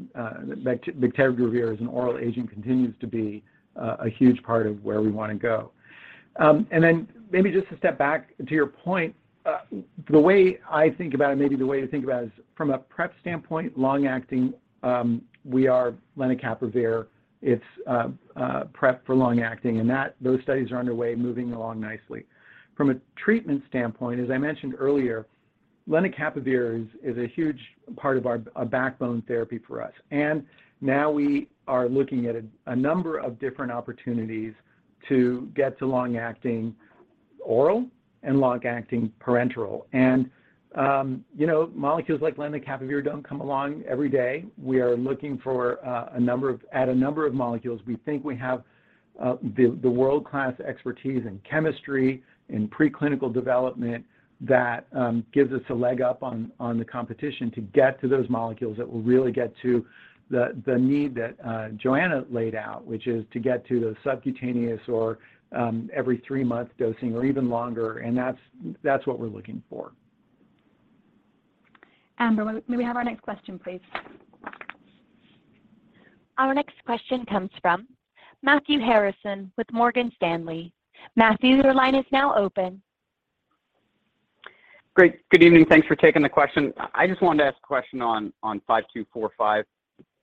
bictegravir as an oral agent continues to be a huge part of where we want to go. Maybe just to step back to your point, the way I think about it, maybe the way to think about it is from a PrEP standpoint, long-acting, we are lenacapavir. It's PrEP for long-acting, and those studies are underway, moving along nicely. From a treatment standpoint, as I mentioned earlier, lenacapavir is a huge part of our, a backbone therapy for us. Now we are looking at a number of different opportunities to get to long-acting oral and long-acting parenteral. You know, molecules like lenacapavir don't come along every day. We are looking at a number of molecules. We think we have the world-class expertise in chemistry and preclinical development that gives us a leg up on the competition to get to those molecules that will really get to the need that Johanna laid out, which is to get to those subcutaneous or every three-month dosing or even longer, and that's what we're looking for. Amber, may we have our next question, please? Our next question comes from Matthew Harrison with Morgan Stanley. Matthew, your line is now open. Great. Good evening. Thanks for taking the question. I just wanted to ask a question on GS-5245.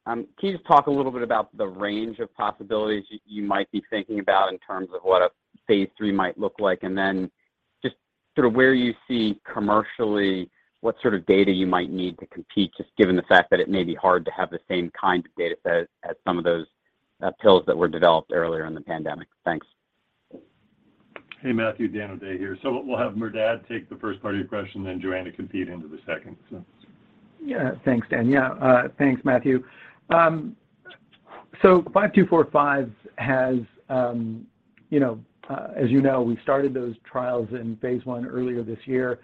Can you just talk a little bit about the range of possibilities you might be thinking about in terms of what a Phase 3 might look like? Then just sort of where you see commercially what sort of data you might need to compete, just given the fact that it may be hard to have the same kind of dataset as some of those pills that were developed earlier in the pandemic. Thanks. Hey, Matthew. Dan O'Day here. So we'll have Merdad take the first part of your question, then Johanna can feed into the second. Yeah. Thanks, Dan. Yeah. Thanks, Matthew. GS-5245 has, you know, as you know, we started those trials in phase one earlier this year.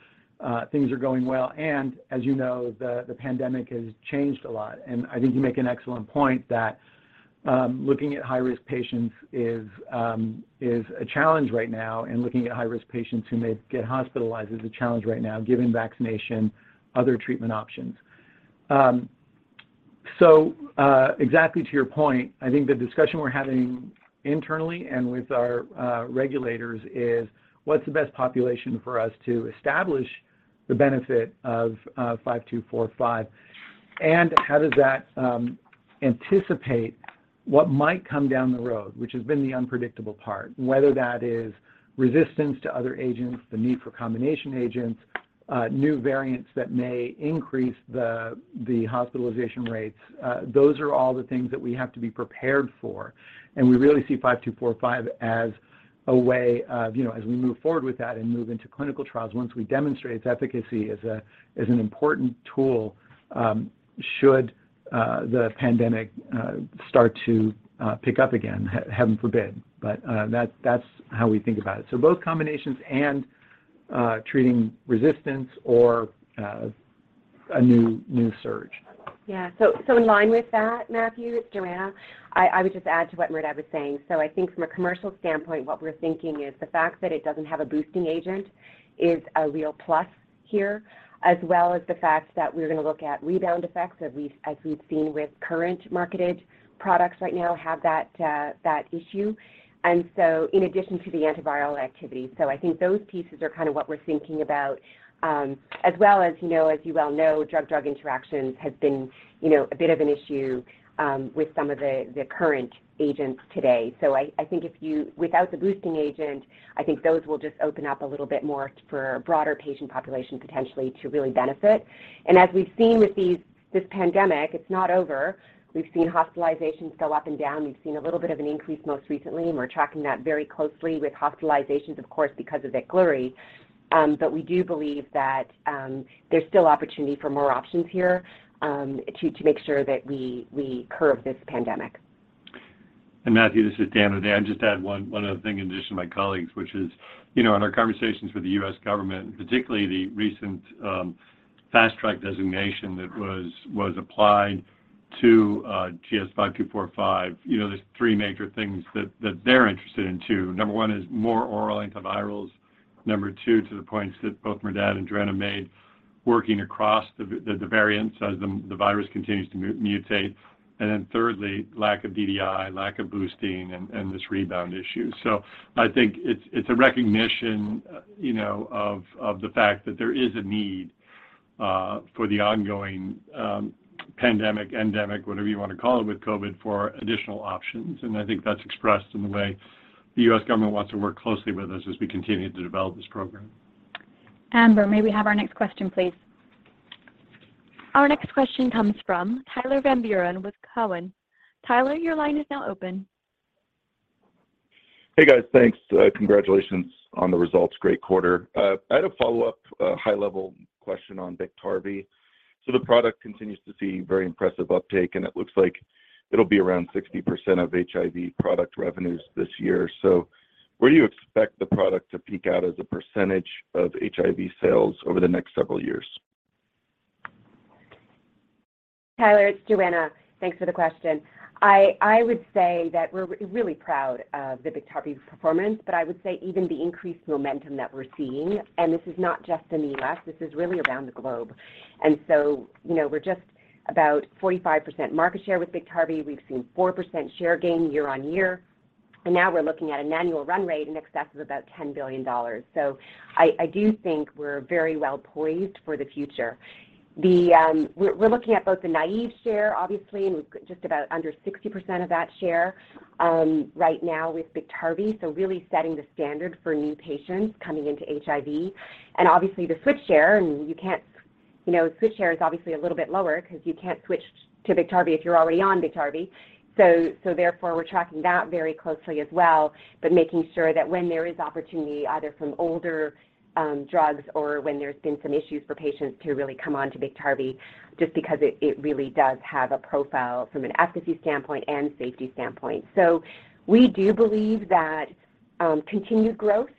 Things are going well. As you know, the pandemic has changed a lot. I think you make an excellent point that, looking at high-risk patients is a challenge right now, and looking at high-risk patients who may get hospitalized is a challenge right now given vaccination, other treatment options. Exactly to your point, I think the discussion we're having internally and with our regulators is what's the best population for us to establish. The benefit of 5245 and how does that anticipate what might come down the road, which has been the unpredictable part, whether that is resistance to other agents, the need for combination agents, new variants that may increase the hospitalization rates. Those are all the things that we have to be prepared for, and we really see 5245 as a way of you know, as we move forward with that and move into clinical trials once we demonstrate its efficacy as an important tool, should the pandemic start to pick up again, heaven forbid. That's how we think about it. So both combinations and treating resistance or a new surge. Yeah. In line with that, Matthew, it's Johanna. I would just add to what Merdad was saying. I think from a commercial standpoint, what we're thinking is the fact that it doesn't have a boosting agent is a real plus here, as well as the fact that we're gonna look at rebound effects as we've seen with current marketed products right now have that issue, and so in addition to the antiviral activity. I think those pieces are kinda what we're thinking about, as well as you know, as you well know, drug-drug interactions has been, you know, a bit of an issue with some of the current agents today. I think without the boosting agent, I think those will just open up a little bit more for a broader patient population potentially to really benefit. As we've seen with this pandemic, it's not over. We've seen hospitalizations go up and down. We've seen a little bit of an increase most recently, and we're tracking that very closely with hospitalizations, of course, because of Veklury. But we do believe that there's still opportunity for more options here to make sure that we curb this pandemic. Matthew, this is Dan O'Day. I'd just add one other thing in addition to my colleagues, which is you know, in our conversations with the U.S. government, particularly the recent fast track designation that was applied to GS-5245, you know, there's three major things that they're interested in too. Number one is more oral antivirals. Number two, to the points that both Merdad and Johanna made, working across the variants as the virus continues to mutate. Then thirdly, lack of DDI, lack of boosting and this rebound issue. I think it's a recognition, you know of the fact that there is a need for the ongoing pandemic, endemic, whatever you wanna call it, with COVID for additional options, and I think that's expressed in the way the U.S. government wants to work closely with us as we continue to develop this program. Amber, may we have our next question, please? Our next question comes from Tyler Van Buren with Cowen. Tyler, your line is now open. Hey, guys. Thanks. Congratulations on the results. Great quarter. I had a follow-up, high-level question on Biktarvy. The product continues to see very impressive uptake, and it looks like it'll be around 60% of HIV product revenues this year. Where do you expect the product to peak out as a percentage of HIV sales over the next several years? Tyler, it's Johanna. Thanks for the question. I would say that we're really proud of the Biktarvy performance, but I would say even the increased momentum that we're seeing, and this is not just in the U.S., this is really around the globe. You know, we're just about 45% market share with Biktarvy. We've seen 4% share gain year-on-year, and now we're looking at an annual run rate in excess of about $10 billion. I do think we're very well poised for the future. We're looking at both the naive share, obviously, and we've just about under 60% of that share, right now with Biktarvy, so really setting the standard for new patients coming into HIV. Obviously the switch share, and you can't, you know, switch share is obviously a little bit lower 'cause you can't switch to Biktarvy if you're already on Biktarvy. Therefore, we're tracking that very closely as well, but making sure that when there is opportunity, either from older drugs or when there's been some issues for patients to really come on to Biktarvy just because it really does have a profile from an efficacy standpoint and safety standpoint. We do believe that continued growth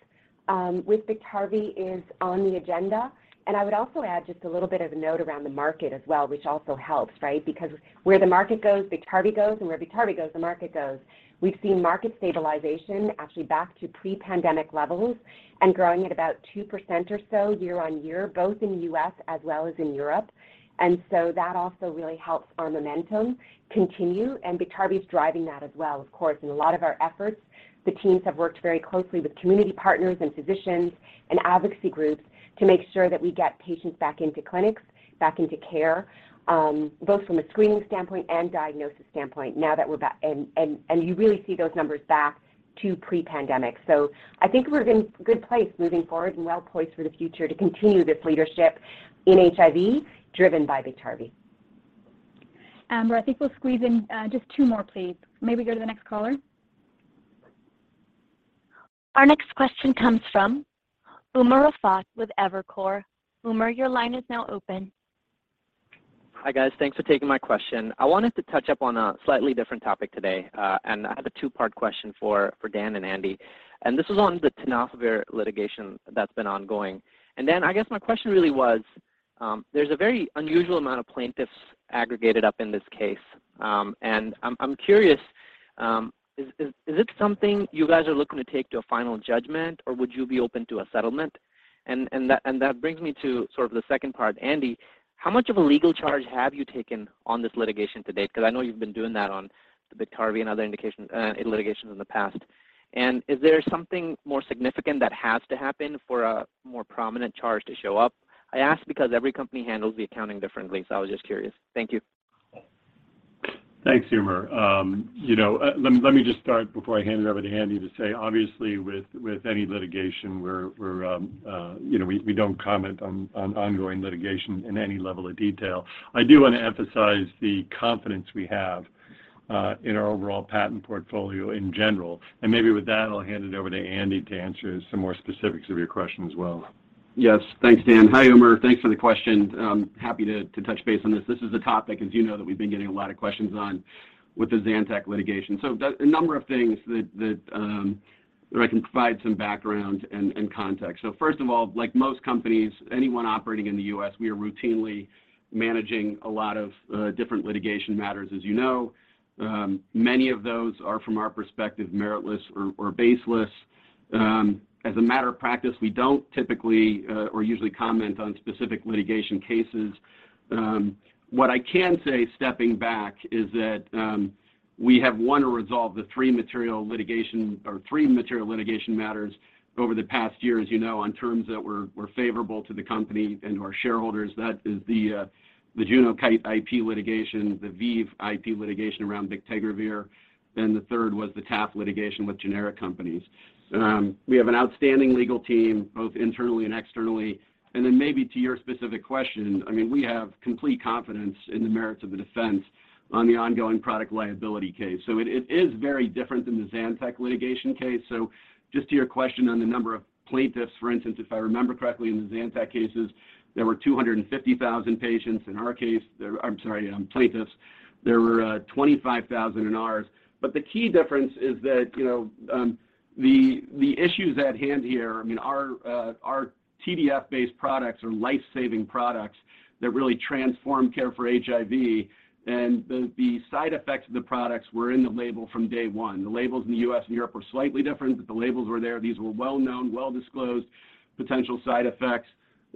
with Biktarvy is on the agenda. I would also add just a little bit of a note around the market as well, which also helps, right? Because where the market goes, Biktarvy goes, and where Biktarvy goes, the market goes. We've seen market stabilization actually back to pre-pandemic levels and growing at about 2% or so year-on-year, both in the U.S. as well as in Europe. That also really helps our momentum continue, and Biktarvy's driving that as well, of course. In a lot of our efforts, the teams have worked very closely with community partners and physicians and advocacy groups to make sure that we get patients back into clinics, back into care, both from a screening standpoint and diagnosis standpoint now that we're back. You really see those numbers back to pre-pandemic. I think we're in a good place moving forward and well-poised for the future to continue this leadership in HIV driven by Biktarvy. Amber, I think we'll squeeze in just two more, please. May we go to the next caller? Our next question comes from Umer Raffat with Evercore. Umer, your line is now open. Hi, guys. Thanks for taking my question. I wanted to touch on a slightly different topic today, and I have a two-part question for Dan and Andy, and this is on the tenofovir litigation that's been ongoing. Dan, I guess my question really was, there's a very unusual amount of plaintiffs aggregated up in this case, and I'm curious, is it something you guys are looking to take to a final judgment, or would you be open to a settlement? That brings me to sort of the second part. Andy, how much of a legal charge have you taken on this litigation to date? 'Cause I know you've been doing that on the Biktarvy and other indications, in litigations in the past. Is there something more significant that has to happen for a more prominent charge to show up? I ask because every company handles the accounting differently, so I was just curious. Thank you. Thanks, Umer. You know, let me just start before I hand it over to Andrew to say, obviously with any litigation we're you know we don't comment on ongoing litigation in any level of detail. I do wanna emphasize the confidence we have in our overall patent portfolio in general. Maybe with that, I'll hand it over to Andrew to answer some more specifics of your question as well. Yes. Thanks, Dan. Hi, Umer. Thanks for the question. Happy to touch base on this. This is a topic, as you know, that we've been getting a lot of questions on with the Zantac litigation. A number of things that I can provide some background and context. First of all, like most companies, anyone operating in the U.S., we are routinely managing a lot of different litigation matters as you know. Many of those are from our perspective, meritless or baseless. As a matter of practice, we don't typically or usually comment on specific litigation cases. What I can say stepping back is that we have resolved the three material litigation matters over the past year, as you know, on terms that were favorable to the company and to our shareholders. That is the Juno-Kite IP litigation, the ViiV IP litigation around bictegravir, then the third was the TAF litigation with generic companies. We have an outstanding legal team both internally and externally. Maybe to your specific question, I mean, we have complete confidence in the merits of the defense on the ongoing product liability case. It is very different than the Zantac litigation case. Just to your question on the number of plaintiffs, for instance, if I remember correctly, in the Zantac cases, there were 250,000 patients. In our case, there, I'm sorry, plaintiffs, there were 25,000 in ours. The key difference is that, you know, the issues at hand here, I mean, our TDF-based products are life-saving products that really transform care for HIV. The side effects of the products were in the label from day one. The labels in the U.S. and Europe were slightly different, but the labels were there. These were well-known, well-disclosed potential side effects.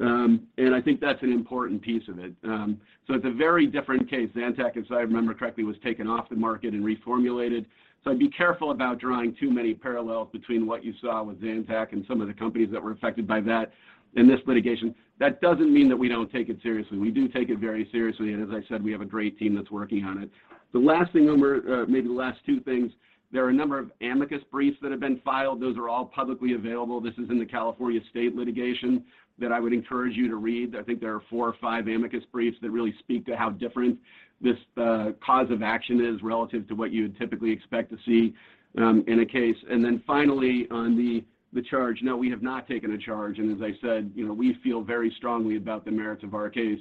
I think that's an important piece of it. It's a very different case. Zantac, if I remember correctly, was taken off the market and reformulated. I'd be careful about drawing too many parallels between what you saw with Zantac and some of the companies that were affected by that in this litigation. That doesn't mean that we don't take it seriously. We do take it very seriously, and as I said, we have a great team that's working on it. The last thing, Umer, maybe the last two things, there are a number of amicus briefs that have been filed. Those are all publicly available. This is in the California state litigation that I would encourage you to read. I think there are four or five amicus briefs that really speak to how different this cause of action is relative to what you would typically expect to see in a case. Then finally, on the charge. No, we have not taken a charge. And as I said, you know, we feel very strongly about the merits of our case,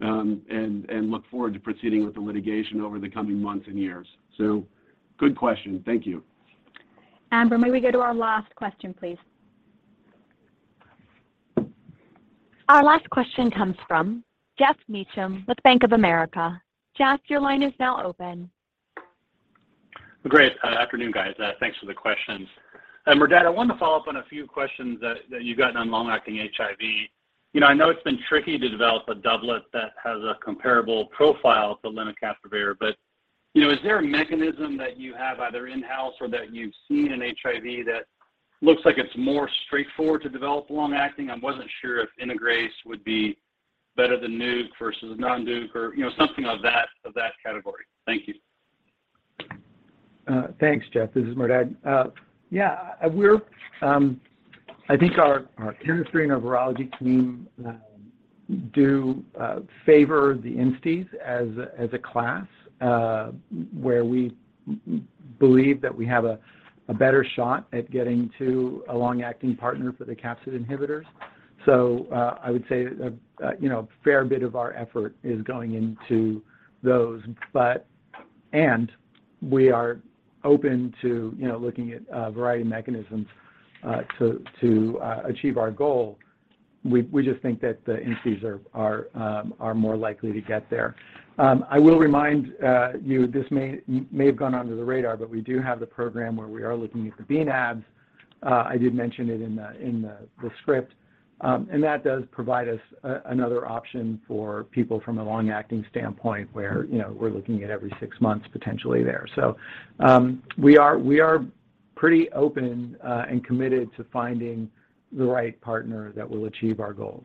and look forward to proceeding with the litigation over the coming months and years. Good question. Thank you. Amber, may we go to our last question, please? Our last question comes from Geoff Meacham with Bank of America. Geoff, your line is now open. Great. Afternoon guys. Thanks for the questions. Merdad, I wanted to follow up on a few questions that you got on long-acting HIV. You know, I know it's been tricky to develop a doublet that has a comparable profile to lenacapavir, but, you know, is there a mechanism that you have either in-house or that you've seen in HIV that looks like it's more straightforward to develop long-acting? I wasn't sure if integrase would be better than nuke versus non-nuke or, you know, something of that category. Thank you. Thanks, Jeff. This is Merdad. I think our chemistry and our virology team favor the InSTIs as a class, where we believe that we have a better shot at getting to a long-acting partner for the capsid inhibitors. I would say, you know, a fair bit of our effort is going into those. We are open to, you know, looking at a variety of mechanisms to achieve our goal. We just think that the InSTIs are more likely to get there. I will remind you this may have gone under the radar, but we do have the program where we are looking at the bNAbs. I did mention it in the script. That does provide us another option for people from a long-acting standpoint where, you know, we're looking at every six months potentially there. We are pretty open and committed to finding the right partner that will achieve our goals.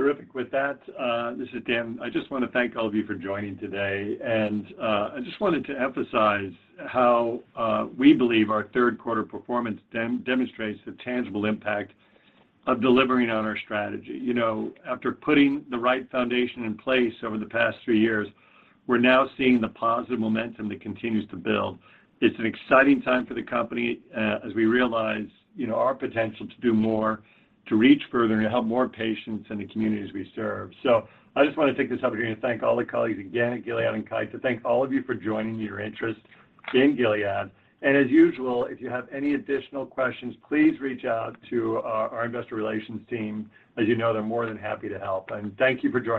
Terrific with that. This is Dan. I just wanna thank all of you for joining today. I just wanted to emphasize how we believe our third quarter performance demonstrates the tangible impact of delivering on our strategy. You know, after putting the right foundation in place over the past three years, we're now seeing the positive momentum that continues to build. It's an exciting time for the company, as we realize, you know, our potential to do more, to reach further and to help more patients in the communities we serve. I just wanna take this opportunity to thank all the colleagues again at Gilead and Kite, to thank all of you for joining your interest in Gilead. As usual, if you have any additional questions, please reach out to our investor relations team. As you know, they're more than happy to help. Thank you for joining.